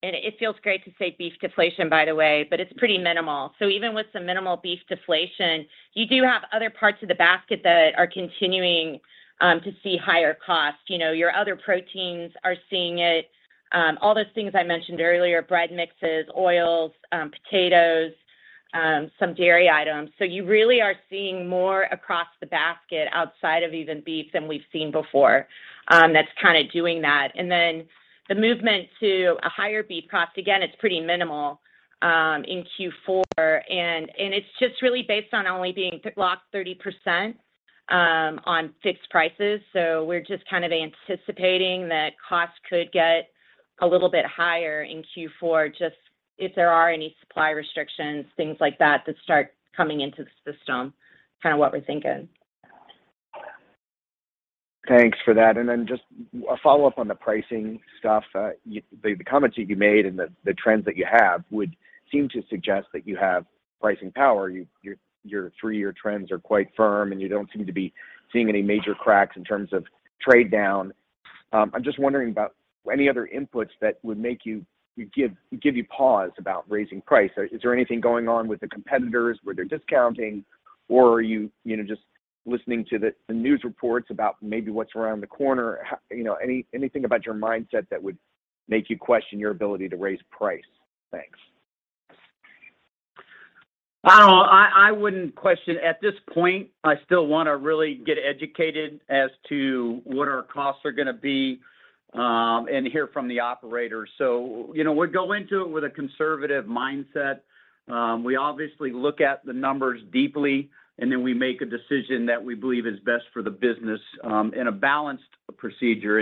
It feels great to say beef deflation, by the way, but it's pretty minimal. Even with some minimal beef deflation, you do have other parts of the basket that are continuing to see higher cost. You know, your other proteins are seeing it. All those things I mentioned earlier, bread mixes, oils, potatoes, some dairy items. You really are seeing more across the basket outside of even beef than we've seen before, that's kind of doing that. The movement to a higher beef cost, again, it's pretty minimal in Q4, and it's just really based on only being locked 30% on fixed prices. We're just kind of anticipating that costs could get a little bit higher in Q4, just if there are any supply restrictions, things like that start coming into the system, kind of what we're thinking. Thanks for that. Then just a follow-up on the pricing stuff. The comments that you made and the trends that you have would seem to suggest that you have pricing power. Your three-year trends are quite firm, and you don't seem to be seeing any major cracks in terms of trade down. I'm just wondering about any other inputs that would give you pause about raising price. Is there anything going on with the competitors where they're discounting? Or are you know, just listening to the news reports about maybe what's around the corner? You know, anything about your mindset that would make you question your ability to raise price? Thanks. I wouldn't question. At this point, I still wanna really get educated as to what our costs are gonna be, and hear from the operators. You know, we go into it with a conservative mindset. We obviously look at the numbers deeply, and then we make a decision that we believe is best for the business, in a balanced procedure.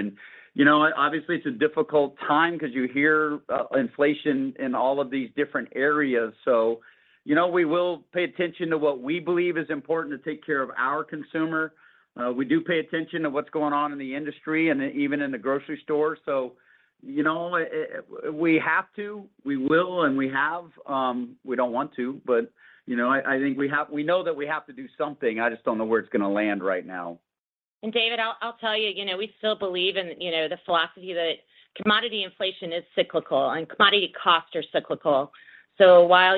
You know, obviously, it's a difficult time because you hear inflation in all of these different areas. You know, we will pay attention to what we believe is important to take care of our consumer. We do pay attention to what's going on in the industry and even in the grocery store. You know, if we have to, we will, and we have. We don't want to, but, you know, I think we know that we have to do something. I just don't know where it's gonna land right now. David, I'll tell you know, we still believe in, you know, the philosophy that commodity inflation is cyclical and commodity costs are cyclical. While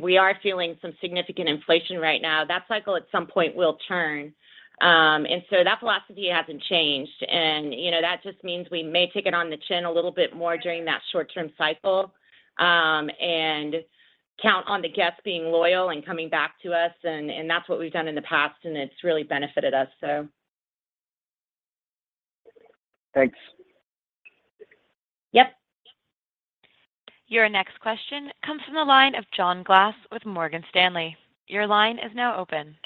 we are feeling some significant inflation right now, that cycle at some point will turn. That philosophy hasn't changed. You know, that just means we may take it on the chin a little bit more during that short-term cycle, and count on the guests being loyal and coming back to us, and that's what we've done in the past, and it's really benefited us. Thanks. Yep. Your next question comes from the line of John Glass with Morgan Stanley. Your line is now open.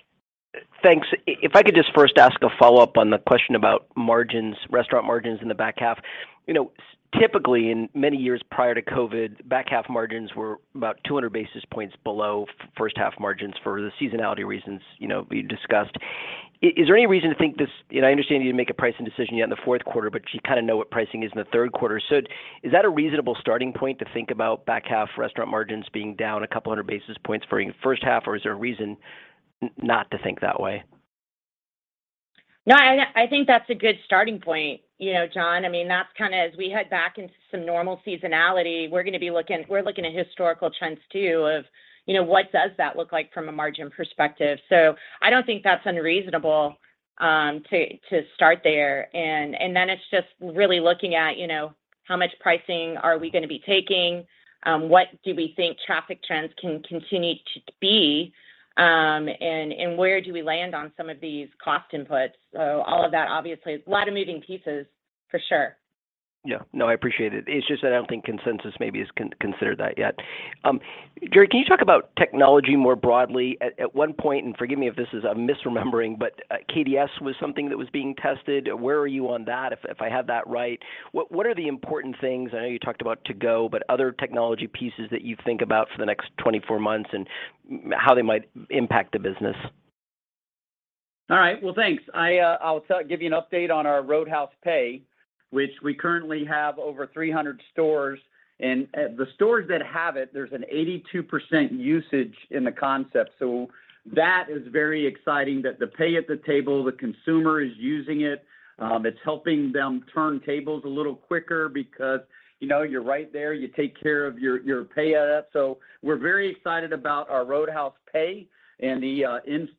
Thanks. If I could just first ask a follow-up on the question about margins, restaurant margins in the back half. You know, typically in many years prior to COVID, back half margins were about 200 basis points below first half margins for the seasonality reasons, you know, we discussed. Is there any reason to think this? You know, I understand you didn't make a pricing decision yet in the fourth quarter, but you kind of know what pricing is in the third quarter. So is that a reasonable starting point to think about back half restaurant margins being down a couple hundred basis points for first half, or is there a reason not to think that way? No, I think that's a good starting point, you know, John. I mean, that's kind of as we head back into some normal seasonality, we're looking at historical trends too, you know, what does that look like from a margin perspective. I don't think that's unreasonable to start there. Then it's just really looking at, you know, how much pricing are we gonna be taking? What do we think traffic trends can continue to be? Where do we land on some of these cost inputs? All of that obviously is a lot of moving pieces for sure. Yeah. No, I appreciate it. It's just that I don't think consensus maybe has considered that yet. Jerry, can you talk about technology more broadly? At one point, and forgive me if I'm misremembering, but KDS was something that was being tested. Where are you on that, if I have that right? What are the important things? I know you talked about to-go, but other technology pieces that you think about for the next 24 months and how they might impact the business? All right. Well, thanks. I'll give you an update on our Roadhouse Pay, which we currently have over 300 stores. The stores that have it, there's an 82% usage in the concept. That is very exciting that the pay at the table, the consumer is using it. It's helping them turn tables a little quicker because, you know, you're right there, you take care of your pay out. We're very excited about our Roadhouse Pay and the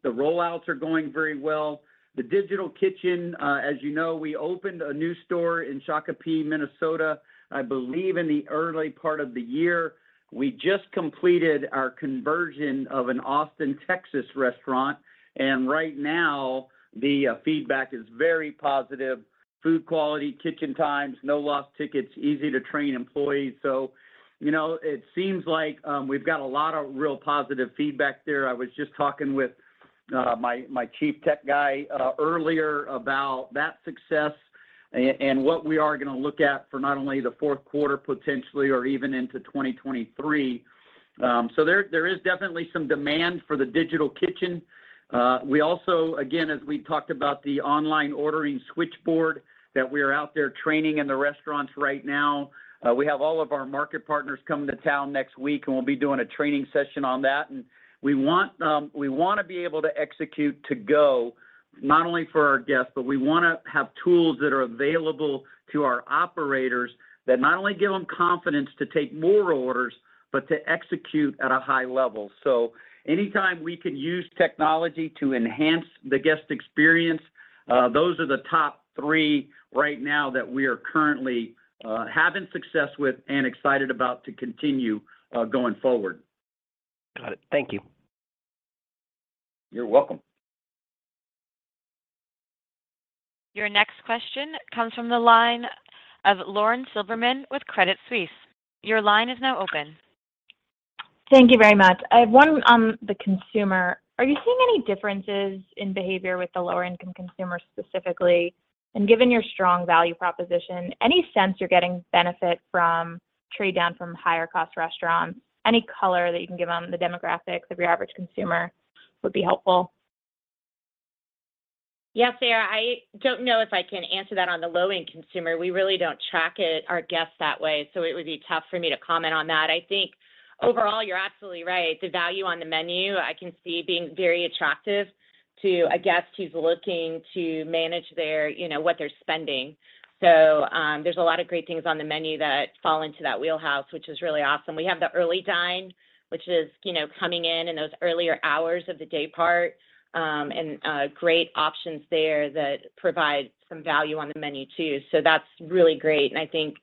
rollouts are going very well. The Digital Kitchen, as you know, we opened a new store in Shakopee, Minnesota, I believe in the early part of the year. We just completed our conversion of an Austin, Texas restaurant, and right now, the feedback is very positive. Food quality, kitchen times, no lost tickets, easy to train employees. You know, it seems like we've got a lot of real positive feedback there. I was just talking with my chief tech guy earlier about that success and what we are gonna look at for not only the fourth quarter potentially, or even into 2023. There is definitely some demand for the Digital Kitchen. We also, again, as we talked about the online ordering switchboard that we are out there training in the restaurants right now. We have all of our market partners coming to town next week, and we'll be doing a training session on that. We want we wanna be able to execute to go not only for our guests, but we wanna have tools that are available to our operators that not only give them confidence to take more orders, but to execute at a high level. Anytime we can use technology to enhance the guest experience, those are the top three right now that we are currently having success with and excited about to continue going forward. Got it. Thank you. You're welcome. Your next question comes from the line of Lauren Silberman with Credit Suisse. Your line is now open. Thank you very much. I have one on the consumer. Are you seeing any differences in behavior with the lower income consumers specifically? Given your strong value proposition, any sense you're getting benefit from trade down from higher cost restaurants? Any color that you can give on the demographics of your average consumer would be helpful. Yes, Sara, I don't know if I can answer that on the low-end consumer. We really don't track it, our guests that way, so it would be tough for me to comment on that. I think overall, you're absolutely right. The value on the menu, I can see being very attractive to a guest who's looking to manage their, you know, what they're spending. So, there's a lot of great things on the menu that fall into that wheelhouse, which is really awesome. We have the Early Dine, which is, you know, coming in in those earlier hours of the day part, and great options there that provide some value on the menu too. So that's really great, and I think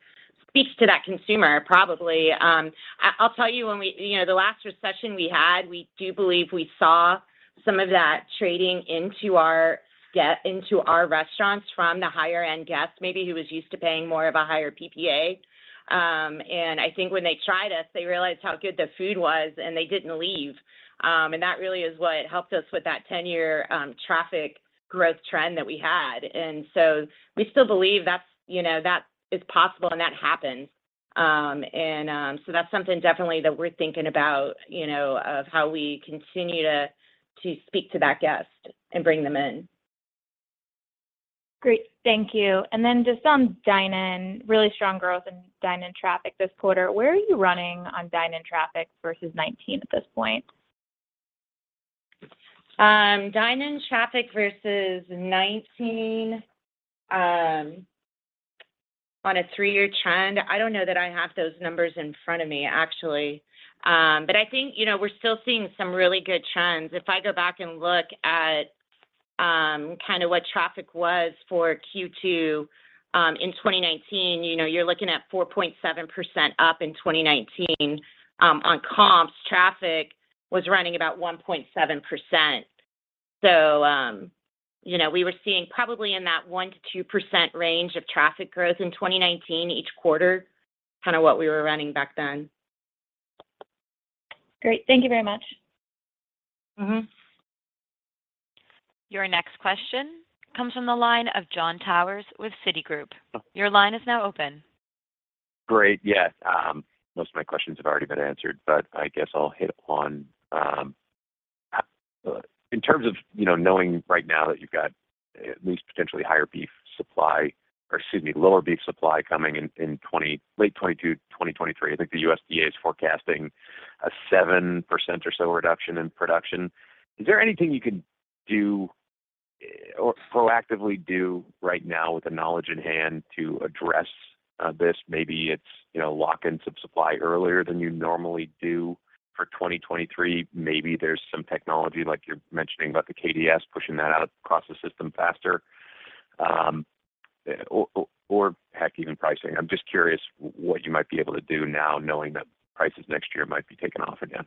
speaks to that consumer probably. I'll tell you when we... You know, the last recession we had, we do believe we saw some of that trading into our guest, into our restaurants from the higher end guest maybe who was used to paying more of a higher PPA. I think when they tried us, they realized how good the food was, and they didn't leave. That really is what helped us with that ten-year traffic growth trend that we had. We still believe that's, you know, that is possible and that happens. That's something definitely that we're thinking about, you know, of how we continue to speak to that guest and bring them in. Great. Thank you. Just on dine-in, really strong growth in dine-in traffic this quarter. Where are you running on dine-in traffic versus 2019 at this point? Dine-in traffic versus 2019 on a three-year trend. I don't know that I have those numbers in front of me, actually. I think, you know, we're still seeing some really good trends. If I go back and look at kinda what traffic was for Q2 in 2019, you know, you're looking at 4.7% up in 2019 on comps. Traffic was running about 1.7%. You know, we were seeing probably in that 1%-2% range of traffic growth in 2019 each quarter, kinda what we were running back then. Great. Thank you very much. Mm-hmm. Your next question comes from the line of Jon Tower with Citigroup. Your line is now open. Great. Yeah. Most of my questions have already been answered, but I guess I'll hit on, in terms of, you know, knowing right now that you've got at least potentially higher beef supply, or excuse me, lower beef supply coming in late 2022, 2023. I think the USDA is forecasting a 7% or so reduction in production. Is there anything you could do or proactively do right now with the knowledge in hand to address this? Maybe it's, you know, lock in some supply earlier than you normally do for 2023. Maybe there's some technology like you're mentioning about the KDS, pushing that out across the system faster, or, or heck, even pricing. I'm just curious what you might be able to do now knowing that prices next year might be taking off again.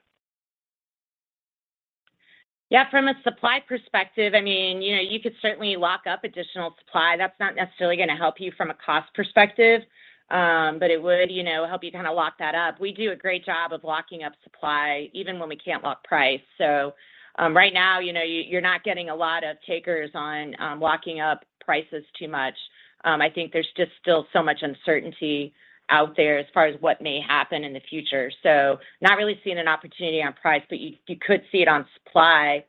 Yeah. From a supply perspective, I mean, you know, you could certainly lock up additional supply. That's not necessarily gonna help you from a cost perspective, but it would, you know, help you kinda lock that up. We do a great job of locking up supply even when we can't lock price. Right now, you know, you're not getting a lot of takers on locking up prices too much. I think there's just still so much uncertainty out there as far as what may happen in the future. Not really seeing an opportunity on price, but you could see it on supply.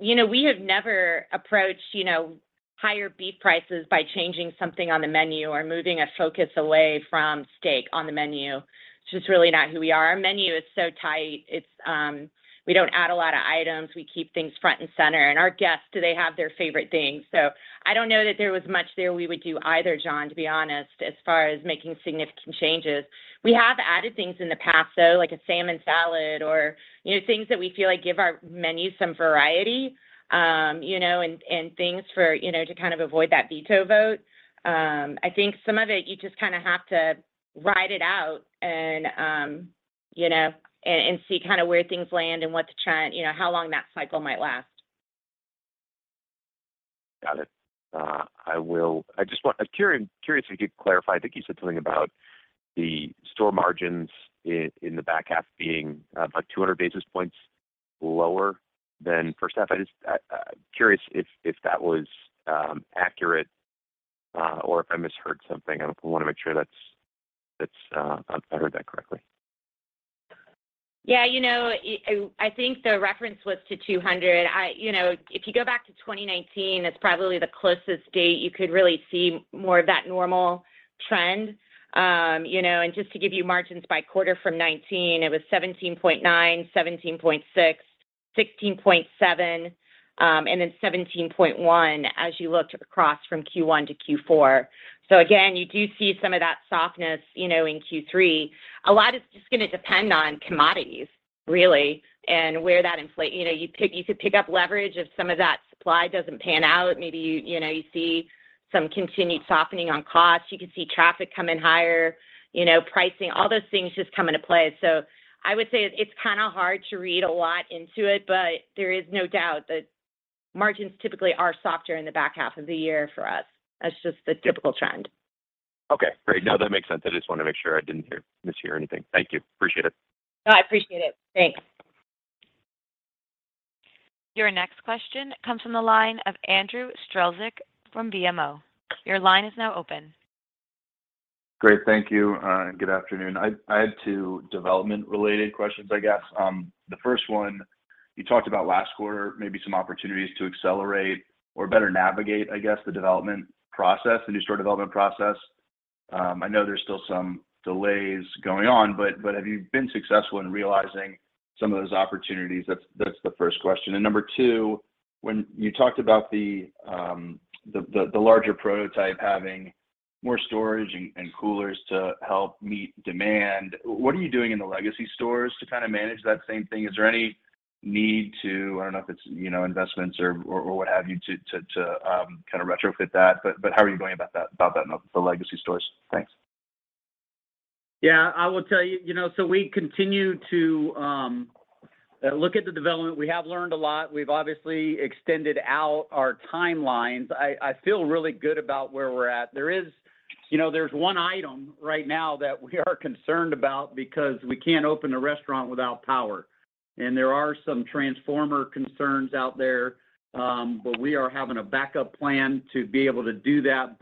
You know, we have never approached. Higher beef prices by changing something on the menu or moving a focus away from steak on the menu. It's just really not who we are. Our menu is so tight. It's. We don't add a lot of items. We keep things front and center. Our guests, they have their favorite things. I don't know that there was much there we would do either, John, to be honest, as far as making significant changes. We have added things in the past, though, like a salmon salad or, you know, things that we feel like give our menu some variety, you know, and things for, you know, to kind of avoid that veto vote. I think some of it, you just kind of have to ride it out and, you know, and see kind of where things land and what the trend, you know, how long that cycle might last. Got it. I'm curious if you could clarify. I think you said something about the store margins in the back half being like 200 basis points lower than first half. I'm just curious if that was accurate or if I misheard something. I wanna make sure that I heard that correctly. Yeah. You know, I think the reference was to 200. You know, if you go back to 2019, that's probably the closest date you could really see more of that normal trend. You know, and just to give you margins by quarter from 2019, it was 17.9%, 17.6%, 16.7%, and then 17.1% as you looked across from Q1 to Q4. Again, you do see some of that softness, you know, in Q3. A lot is just gonna depend on commodities, really, and where that inflation, you know, you could pick up leverage if some of that supply doesn't pan out. Maybe you know, you see some continued softening on costs. You could see traffic coming higher. You know, pricing, all those things just come into play. I would say it's kinda hard to read a lot into it. There is no doubt that margins typically are softer in the back half of the year for us. That's just the typical trend. Okay. Great. No, that makes sense. I just wanna make sure I didn't hear, mishear anything. Thank you. Appreciate it. No, I appreciate it. Thanks. Your next question comes from the line of Andrew Strelzik from BMO. Your line is now open. Great. Thank you and good afternoon. I had two development related questions, I guess. The first one, you talked about last quarter maybe some opportunities to accelerate or better navigate, I guess, the development process, the new store development process. I know there's still some delays going on, but have you been successful in realizing some of those opportunities? That's the first question. Number two, when you talked about the larger prototype having more storage and coolers to help meet demand, what are you doing in the legacy stores to kind of manage that same thing? Is there any need to, I don't know if it's, you know, investments or what have you to kind of retrofit that, but how are you going about that in the legacy stores? Thanks. Yeah. I will tell you know, we continue to look at the development. We have learned a lot. We've obviously extended out our timelines. I feel really good about where we're at. There is you know, there's one item right now that we are concerned about because we can't open a restaurant without power, and there are some transformer concerns out there. We are having a backup plan to be able to do that.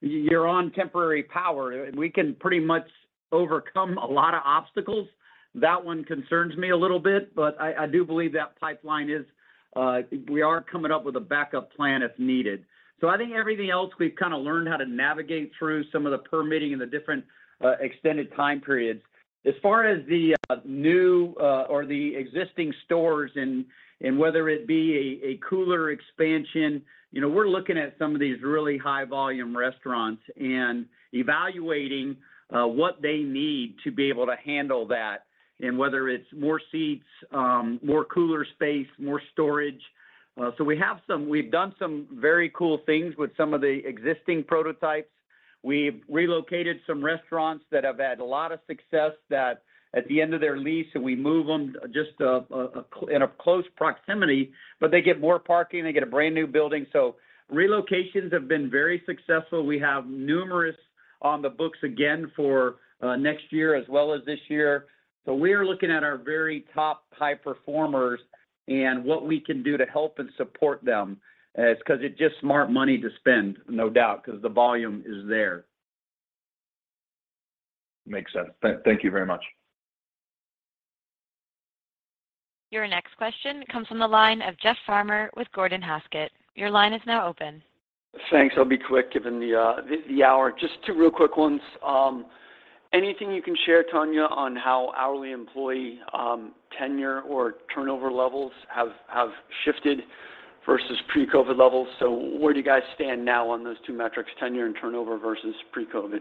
You're on temporary power. We can pretty much overcome a lot of obstacles. That one concerns me a little bit. I do believe that pipeline is we are coming up with a backup plan if needed. I think everything else we've kind of learned how to navigate through some of the permitting and the different extended time periods. As far as the new or the existing stores and whether it be a cooler expansion, you know, we're looking at some of these really high volume restaurants and evaluating what they need to be able to handle that, and whether it's more seats, more cooler space, more storage. We've done some very cool things with some of the existing prototypes. We've relocated some restaurants that have had a lot of success at the end of their lease, so we move them just in a close proximity, but they get more parking, they get a brand new building. Relocations have been very successful. We have numerous on the books again for next year as well as this year. We're looking at our very top high performers and what we can do to help and support them. It's 'cause it's just smart money to spend, no doubt, 'cause the volume is there. Makes sense. Thank you very much. Your next question comes from the line of Jeff Farmer with Gordon Haskett. Your line is now open. Thanks. I'll be quick given the hour. Just two real quick ones. Anything you can share, Tonya, on how hourly employee tenure or turnover levels have shifted versus pre-COVID levels? Where do you guys stand now on those two metrics, tenure and turnover versus pre-COVID?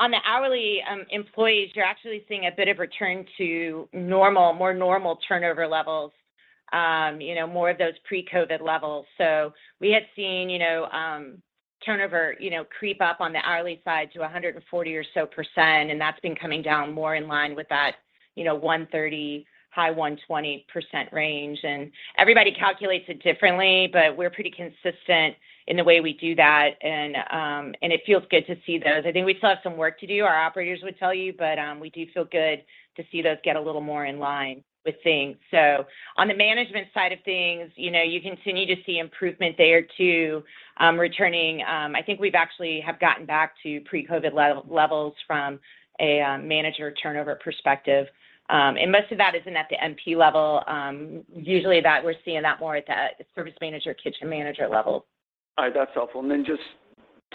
On the hourly employees, you're actually seeing a bit of return to normal, more normal turnover levels. You know, more of those pre-COVID levels. We had seen, you know, turnover, you know, creep up on the hourly side to 140 or so%, and that's been coming down more in line with that, you know, 130, high 120% range. Everybody calculates it differently, but we're pretty consistent in the way we do that and it feels good to see those. I think we still have some work to do, our operators would tell you, but we do feel good to see those get a little more in line with things. On the management side of things, you know, you continue to see improvement there too. I think we've actually have gotten back to pre-COVID levels from a manager turnover perspective. Most of that isn't at the MP level. Usually that, we're seeing that more at the service manager, kitchen manager level. All right. That's helpful.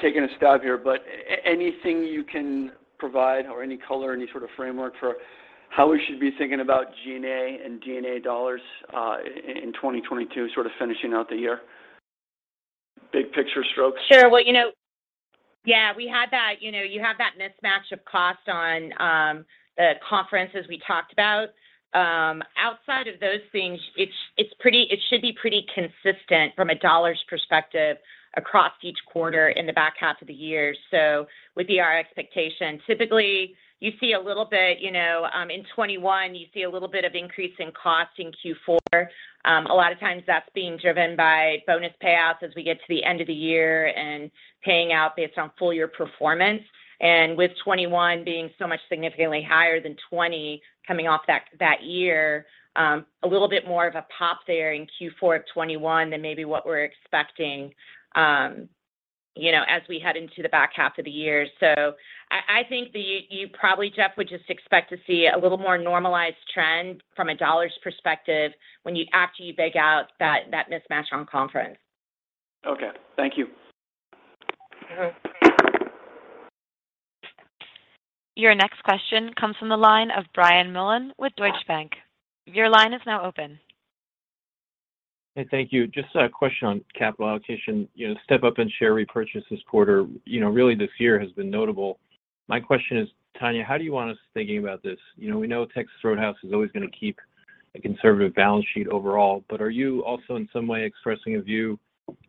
Taking a stab here, but anything you can provide or any color, any sort of framework for how we should be thinking about G&A and G&A dollars in 2022 sort of finishing out the year? Big picture strokes. Sure. Well, you know, yeah, we had that. You know, you have that mismatch of cost on the conferences we talked about. Outside of those things, it should be pretty consistent from a dollars perspective across each quarter in the back half of the year. Would be our expectation. Typically, you see a little bit, you know, in 2021, you see a little bit of increase in cost in Q4. A lot of times that's being driven by bonus payouts as we get to the end of the year and paying out based on full year performance. With 2021 being so much significantly higher than 2020 coming off that year, a little bit more of a pop there in Q4 of 2021 than maybe what we're expecting, you know, as we head into the back half of the year. I think that you probably, Jeff Farmer, would just expect to see a little more normalized trend from a dollars perspective when you bake out that mismatch on comps. Okay, thank you. Mm-hmm. Your next question comes from the line of Brian Mullan with Deutsche Bank. Your line is now open. Hey, thank you. Just a question on capital allocation. You know, step up in share repurchase this quarter, you know, really this year has been notable. My question is, Tonya, how do you want us thinking about this? You know, we know Texas Roadhouse is always going to keep a conservative balance sheet overall, but are you also in some way expressing a view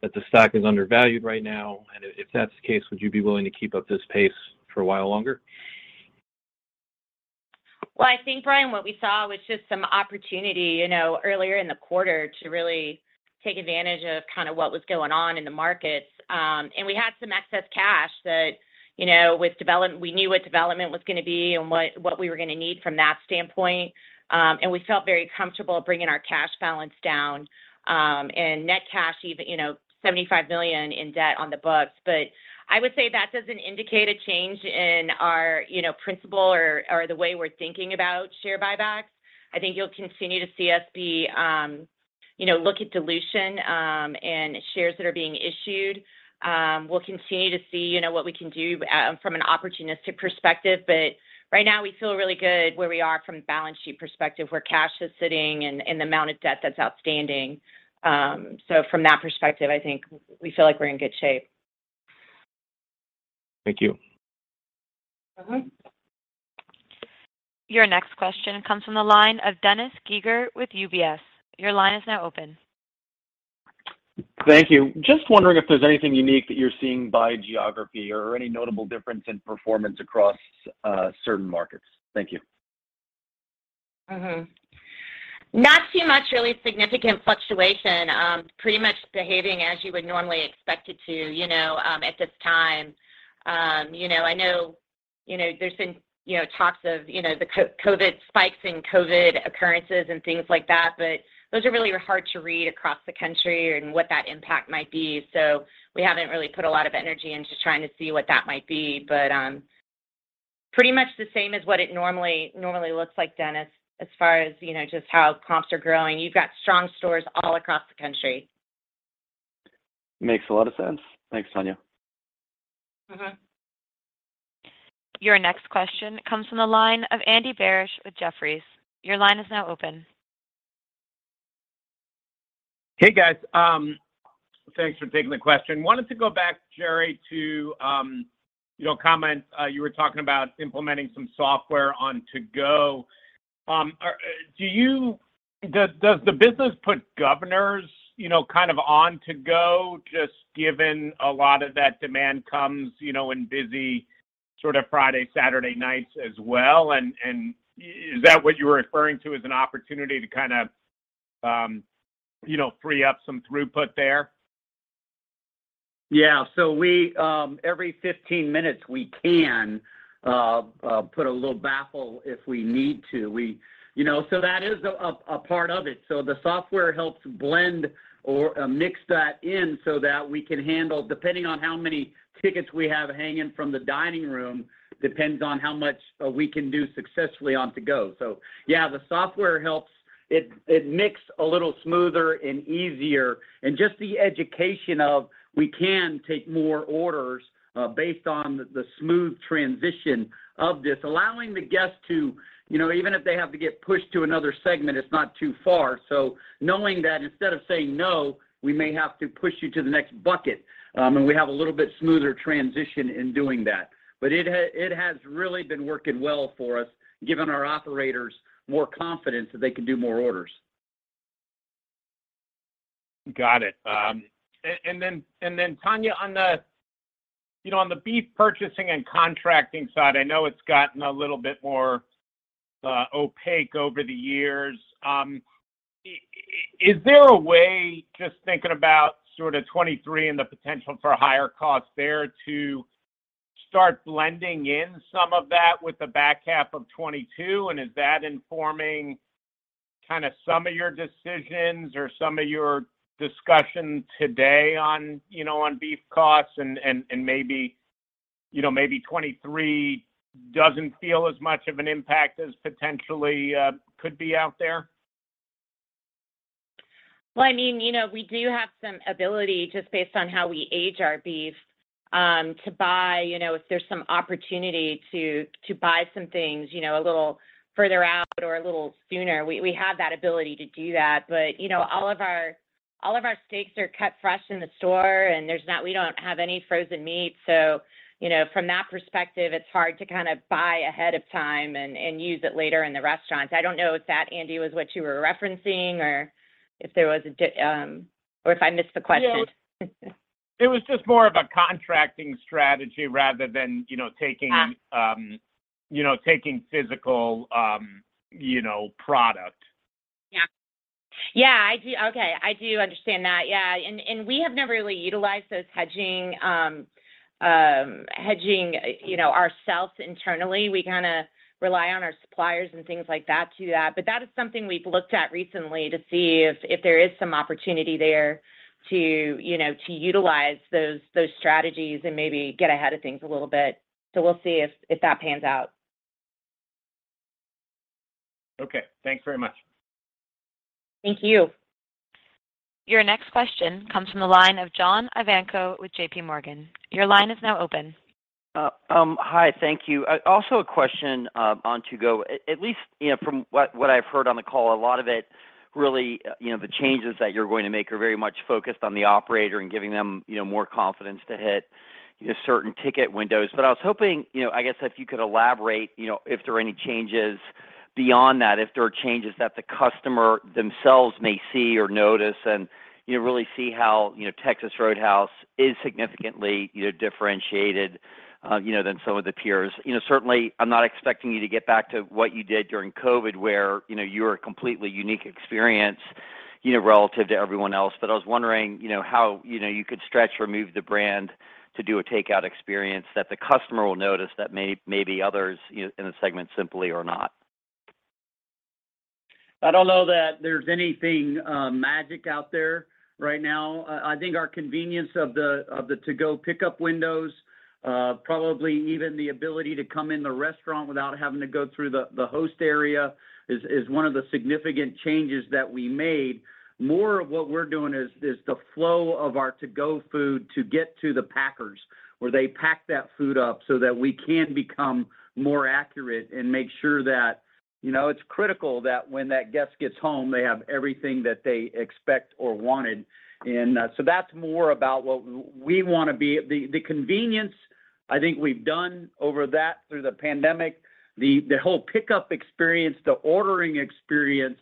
that the stock is undervalued right now? If that's the case, would you be willing to keep up this pace for a while longer? Well, I think, Brian, what we saw was just some opportunity, you know, earlier in the quarter to really take advantage of kind of what was going on in the markets. We had some excess cash that, you know, we knew what development was going to be and what we were going to need from that standpoint. We felt very comfortable bringing our cash balance down and net cash even, you know, $75 million in debt on the books. I would say that doesn't indicate a change in our, you know, principle or the way we're thinking about share buybacks. I think you'll continue to see us be, you know, look at dilution and shares that are being issued. We'll continue to see, you know, what we can do from an opportunistic perspective. Right now, we feel really good where we are from a balance sheet perspective, where cash is sitting and the amount of debt that's outstanding. From that perspective, I think we feel like we're in good shape. Thank you. Mm-hmm. Your next question comes from the line of Dennis Geiger with UBS. Your line is now open. Thank you. Just wondering if there's anything unique that you're seeing by geography or any notable difference in performance across certain markets. Thank you. Not too much really significant fluctuation. Pretty much behaving as you would normally expect it to, you know, at this time. You know, I know, you know, there's been, you know, talks of, you know, the COVID spikes and COVID occurrences and things like that, but those are really hard to read across the country and what that impact might be. We haven't really put a lot of energy into trying to see what that might be. Pretty much the same as what it normally looks like, Dennis, as far as, you know, just how comps are growing. You've got strong stores all across the country. Makes a lot of sense. Thanks, Tonya. Mm-hmm. Your next question comes from the line of Andy Barish with Jefferies. Your line is now open. Hey, guys. Thanks for taking the question. Wanted to go back, Jerry, to your comment, you were talking about implementing some software on to-go. Does the business put governors, you know, kind of on to-go, just given a lot of that demand comes, you know, in busy sort of Friday, Saturday nights as well and is that what you were referring to as an opportunity to kind of, you know, free up some throughput there? Yeah. Every 15 minutes, we can put a little buffer if we need to. You know, that is a part of it. The software helps blend or mix that in so that we can handle, depending on how many tickets we have hanging from the dining room, depends on how much we can do successfully on to-go. Yeah, the software helps. It makes a little smoother and easier and just the education of we can take more orders based on the smooth transition of this, allowing the guest to, you know, even if they have to get pushed to another segment, it's not too far. Knowing that instead of saying, no, we may have to push you to the next bucket, and we have a little bit smoother transition in doing that. It has really been working well for us, giving our operators more confidence that they can do more orders. Got it. And then Tonya, on the beef purchasing and contracting side, I know it's gotten a little bit more opaque over the years. Is there a way, just thinking about sort of 2023 and the potential for higher cost there to start blending in some of that with the back half of 2022? And is that informing kind of some of your decisions or some of your discussion today on beef costs and maybe 2023 doesn't feel as much of an impact as potentially could be out there? Well, I mean, you know, we do have some ability just based on how we age our beef, to buy, you know, if there's some opportunity to buy some things, you know, a little further out or a little sooner. We have that ability to do that. You know, all of our steaks are cut fresh in the store, and there's not. We don't have any frozen meat. You know, from that perspective, it's hard to kind of buy ahead of time and use it later in the restaurants. I don't know if that, Andy, was what you were referencing or if I missed the question. Yeah. It was just more of a contracting strategy rather than, you know, taking. Ah. you know, taking physical, you know, product. Yeah. I do. Okay, I do understand that. Yeah. We have never really utilized those hedging, you know, ourselves internally. We kind of rely on our suppliers and things like that to do that. That is something we've looked at recently to see if there is some opportunity there to, you know, to utilize those strategies and maybe get ahead of things a little bit. We'll see if that pans out. Okay. Thanks very much. Thank you. Your next question comes from the line of John Ivankoe with JPMorgan. Your line is now open. Hi. Thank you. Also a question on to-go. At least, you know, from what I've heard on the call, a lot of it really, you know, the changes that you're going to make are very much focused on the operator and giving them, you know, more confidence to hit, you know, certain ticket windows. But I was hoping, you know, I guess if you could elaborate, you know, if there are any changes beyond that, if there are changes that the customer themselves may see or notice, and, you know, really see how, you know, Texas Roadhouse is significantly, you know, differentiated, you know, than some of the peers. You know, certainly, I'm not expecting you to get back to what you did during COVID where, you know, you were a completely unique experience, you know, relative to everyone else. I was wondering, you know, how, you know, you could stretch or move the brand to do a takeout experience that the customer will notice that maybe others, you know, in the segment simply are not. I don't know that there's anything magic out there right now. I think our convenience of the to-go pickup windows probably even the ability to come in the restaurant without having to go through the host area is one of the significant changes that we made. More of what we're doing is the flow of our to-go food to get to the packers, where they pack that food up so that we can become more accurate and make sure that you know it's critical that when that guest gets home they have everything that they expect or wanted. That's more about what we wanna be. The convenience I think we've done over that through the pandemic. The whole pickup experience, the ordering experience,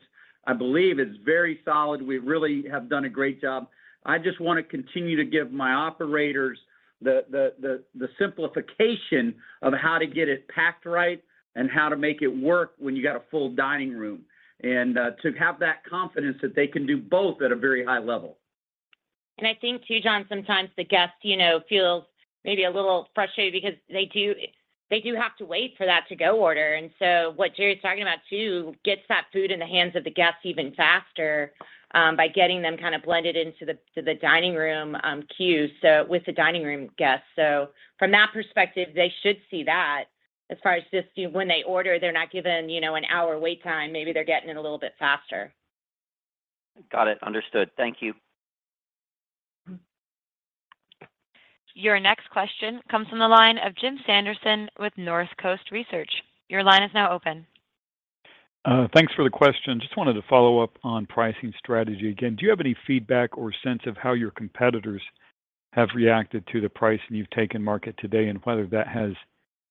I believe is very solid. We really have done a great job. I just wanna continue to give my operators the simplification of how to get it packed right and how to make it work when you got a full dining room, and to have that confidence that they can do both at a very high level. I think too, John, sometimes the guest, you know, feels maybe a little frustrated because they have to wait for that to-go order. What Jerry is talking about too gets that food in the hands of the guests even faster by getting them kind of blended into the dining room queue, so with the dining room guests. From that perspective, they should see that as far as just, you know, when they order, they're not given, you know, an hour wait time. Maybe they're getting it a little bit faster. Got it. Understood. Thank you. Mm-hmm. Your next question comes from the line of Jim Sanderson with Northcoast Research. Your line is now open. Thanks for the question. Just wanted to follow up on pricing strategy. Again, do you have any feedback or sense of how your competitors have reacted to the pricing you've taken in the market today, and whether that has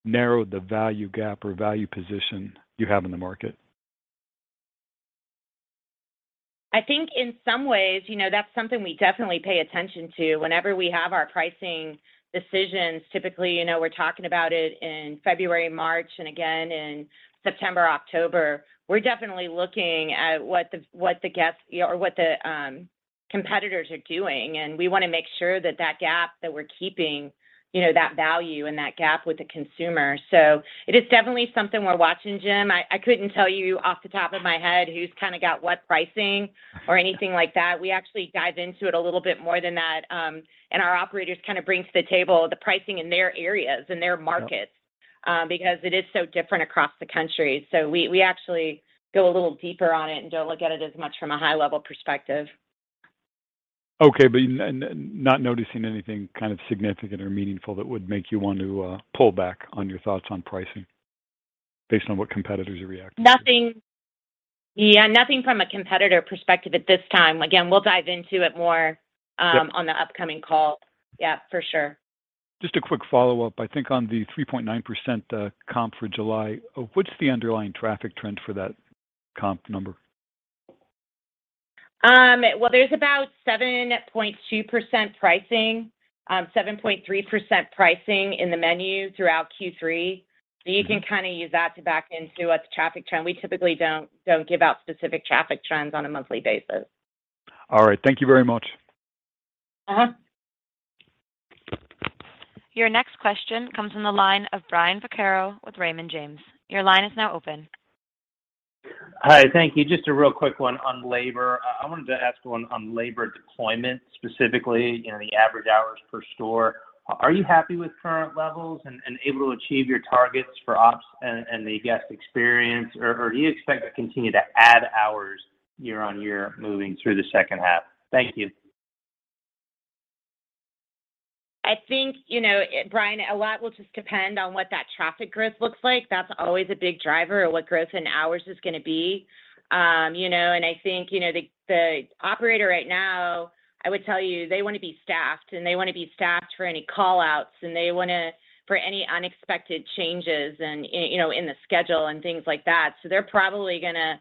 narrowed the value gap or value position you have in the market? I think in some ways, you know, that's something we definitely pay attention to. Whenever we have our pricing decisions, typically, you know, we're talking about it in February, March, and again in September, October. We're definitely looking at what the guests, you know, or what the competitors are doing, and we wanna make sure that that gap that we're keeping, you know, that value and that gap with the consumer. So it is definitely something we're watching, Jim. I couldn't tell you off the top of my head who's kind of got what pricing or anything like that. We actually dive into it a little bit more than that. And our operators kind of bring to the table the pricing in their areas and their markets. Yep Because it is so different across the country. We actually go a little deeper on it and don't look at it as much from a high level perspective. Not noticing anything kind of significant or meaningful that would make you want to pull back on your thoughts on pricing based on what competitors are reacting to? Nothing. Yeah. Nothing from a competitor perspective at this time. Again, we'll dive into it more. Yep On the upcoming call. Yeah, for sure. Just a quick follow-up. I think on the 3.9% comp for July, what's the underlying traffic trend for that comp number? Well, there's about 7.2% pricing, 7.3% pricing in the menu throughout Q3. Mm-hmm. You can kind of use that to back into what the traffic trend. We typically don't give out specific traffic trends on a monthly basis. All right. Thank you very much. Uh-huh. Your next question comes from the line of Brian Vaccaro with Raymond James. Your line is now open. Hi. Thank you. Just a real quick one on labor. I wanted to ask one on labor deployment, specifically, you know, the average hours per store. Are you happy with current levels and able to achieve your targets for ops and the guest experience, or do you expect to continue to add hours year on year moving through the second half? Thank you. I think, you know, Brian, a lot will just depend on what that traffic growth looks like. That's always a big driver of what growth in hours is gonna be. You know, and I think, you know, the operator right now, I would tell you, they wanna be staffed, and they wanna be staffed for any call-outs, and they wanna for any unexpected changes and, you know, in the schedule and things like that. They're probably gonna,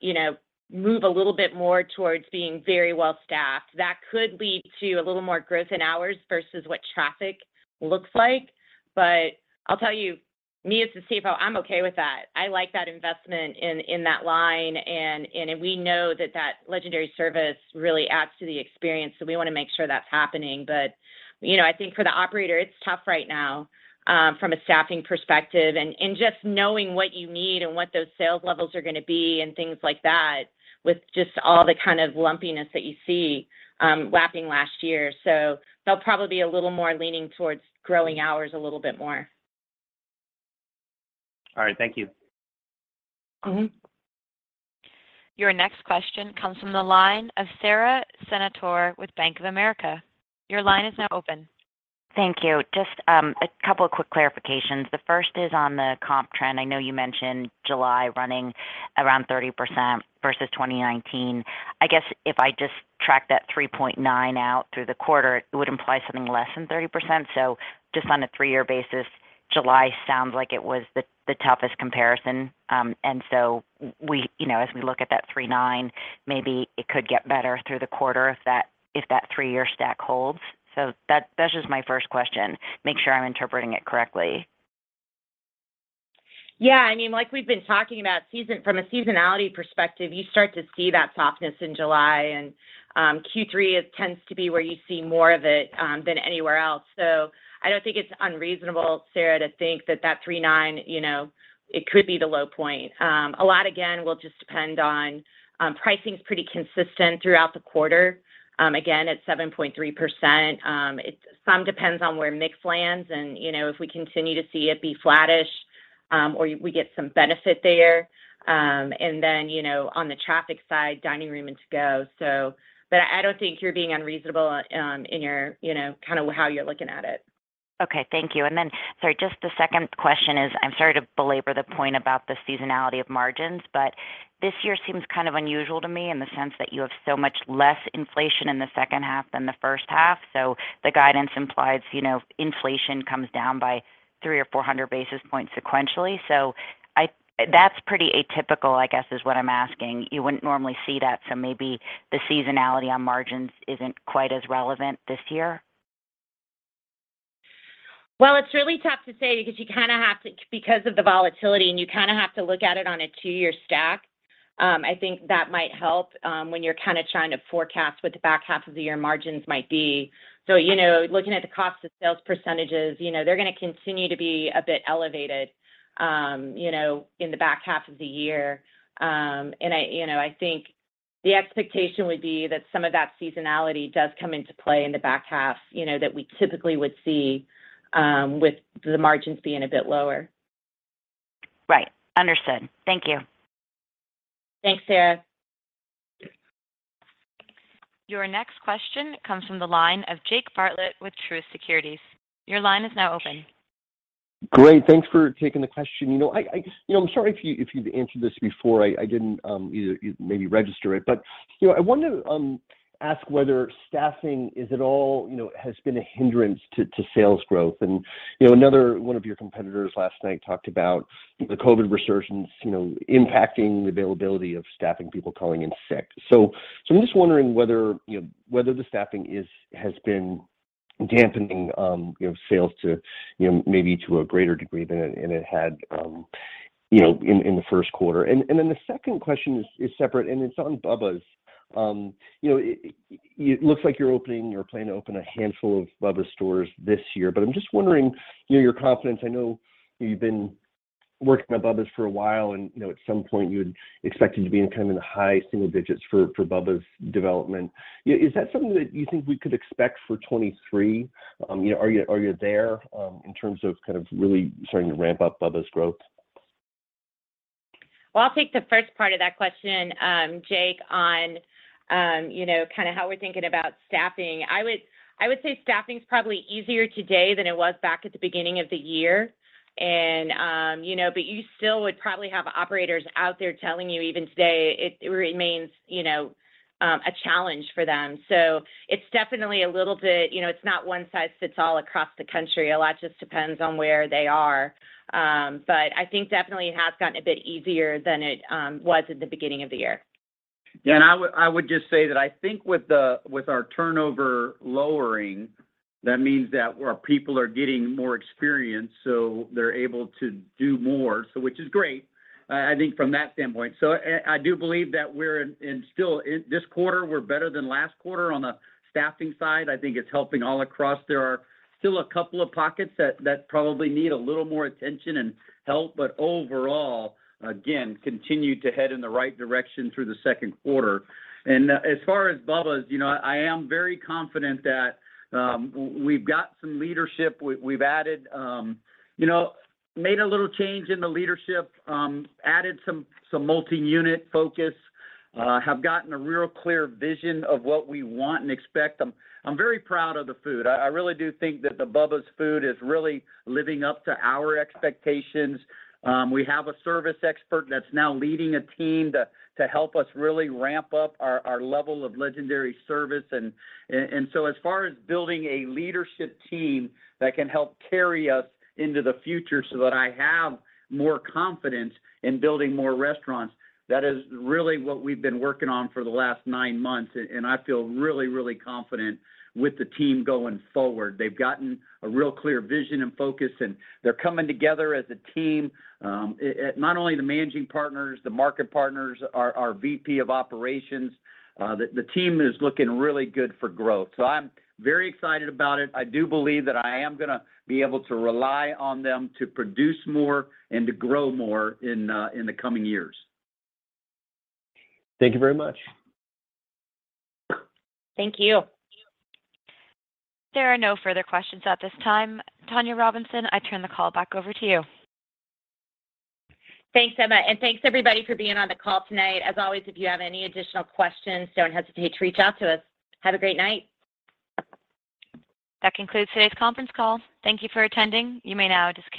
you know, move a little bit more towards being very well-staffed. That could lead to a little more growth in hours versus what traffic looks like. I'll tell you, me as the CFO, I'm okay with that. I like that investment in that line and we know that that legendary service really adds to the experience, so we wanna make sure that's happening. You know, I think for the operator, it's tough right now, from a staffing perspective and just knowing what you need and what those sales levels are gonna be and things like that with just all the kind of lumpiness that you see, lapping last year. They'll probably be a little more leaning towards growing hours a little bit more. All right. Thank you. Mm-hmm. Your next question comes from the line of Sara Senatore with Bank of America. Your line is now open. Thank you. Just a couple of quick clarifications. The first is on the comp trend. I know you mentioned July running around 30% versus 2019. I guess if I just track that 3.9 out through the quarter, it would imply something less than 30%. Just on a three-year basis, July sounds like it was the toughest comparison. We, you know, as we look at that 3.9, maybe it could get better through the quarter if that three-year stack holds. That's just my first question. Make sure I'm interpreting it correctly. Yeah. I mean, like we've been talking about seasonality from a seasonality perspective, you start to see that softness in July, and Q3 tends to be where you see more of it than anywhere else. I don't think it's unreasonable, Sara, to think that that 3.9, you know, it could be the low point. A lot, again, will just depend on pricing's pretty consistent throughout the quarter, again, at 7.3%. It somewhat depends on where mix lands and, you know, if we continue to see it be flattish or we get some benefit there. You know, on the traffic side, dining room and to-go. But I don't think you're being unreasonable in your, you know, kind of how you're looking at it. Okay, thank you. Sorry, just the second question is, I'm sorry to belabor the point about the seasonality of margins, but this year seems kind of unusual to me in the sense that you have so much less inflation in the second half than the first half. The guidance implies, you know, inflation comes down by 300 or 400 basis points sequentially. That's pretty atypical, I guess, is what I'm asking. You wouldn't normally see that, so maybe the seasonality on margins isn't quite as relevant this year. Well, it's really tough to say because of the volatility, and you kinda have to look at it on a two-year stack. I think that might help when you're kinda trying to forecast what the back half of the year margins might be. You know, looking at the cost of sales percentages, you know, they're gonna continue to be a bit elevated, you know, in the back half of the year. I, you know, I think the expectation would be that some of that seasonality does come into play in the back half, you know, that we typically would see, with the margins being a bit lower. Right. Understood. Thank you. Thanks, Sara. Your next question comes from the line of Jake Bartlett with Truist Securities. Your line is now open. Great. Thanks for taking the question. You know, I'm sorry if you've answered this before. I didn't either maybe register it. You know, I wanted to ask whether staffing is at all, you know, has been a hindrance to sales growth. You know, another one of your competitors last night talked about the COVID resurgence, you know, impacting the availability of staffing, people calling in sick. I'm just wondering whether, you know, whether the staffing is, has been dampening, you know, sales to, you know, maybe to a greater degree than it had, you know, in the first quarter. Then the second question is separate, and it's on Bubba's. It looks like you're planning to open a handful of Bubba's stores this year. I'm just wondering, you know, your confidence. I know you've been working on Bubba's for a while and, you know, at some point you had expected to be kind of in the high single digits for Bubba's development. You know, is that something that you think we could expect for 2023? You know, are you there in terms of kind of really starting to ramp up Bubba's growth? Well, I'll take the first part of that question, Jake, on, you know, kinda how we're thinking about staffing. I would say staffing's probably easier today than it was back at the beginning of the year and, you know, but you still would probably have operators out there telling you even today it remains, you know, a challenge for them. So it's definitely a little bit, you know, it's not one size fits all across the country. A lot just depends on where they are. I think definitely it has gotten a bit easier than it was at the beginning of the year. I would just say that I think with our turnover lowering, that means that our people are getting more experience, so they're able to do more, which is great, I think from that standpoint. I do believe that we're, and still in this quarter we're better than last quarter on the staffing side. I think it's helping all across. There are still a couple of pockets that probably need a little more attention and help, but overall, again, continue to head in the right direction through the second quarter. As far as Bubba's, you know, I am very confident that we've got some leadership. We've added, you know, made a little change in the leadership, added some multi-unit focus, have gotten a real clear vision of what we want and expect. I'm very proud of the food. I really do think that the Bubba's food is really living up to our expectations. We have a service expert that's now leading a team to help us really ramp up our level of legendary service. As far as building a leadership team that can help carry us into the future so that I have more confidence in building more restaurants, that is really what we've been working on for the last nine months. I feel really confident with the team going forward. They've gotten a real clear vision and focus, and they're coming together as a team. Not only the managing partners, the market partners, our VP of operations, the team is looking really good for growth. I'm very excited about it. I do believe that I am gonna be able to rely on them to produce more and to grow more in the coming years. Thank you very much. Thank you. There are no further questions at this time. Tonya Robinson, I turn the call back over to you. Thanks, Emma, and thanks everybody for being on the call tonight. As always, if you have any additional questions, don't hesitate to reach out to us. Have a great night. That concludes today's conference call. Thank you for attending. You may now disconnect.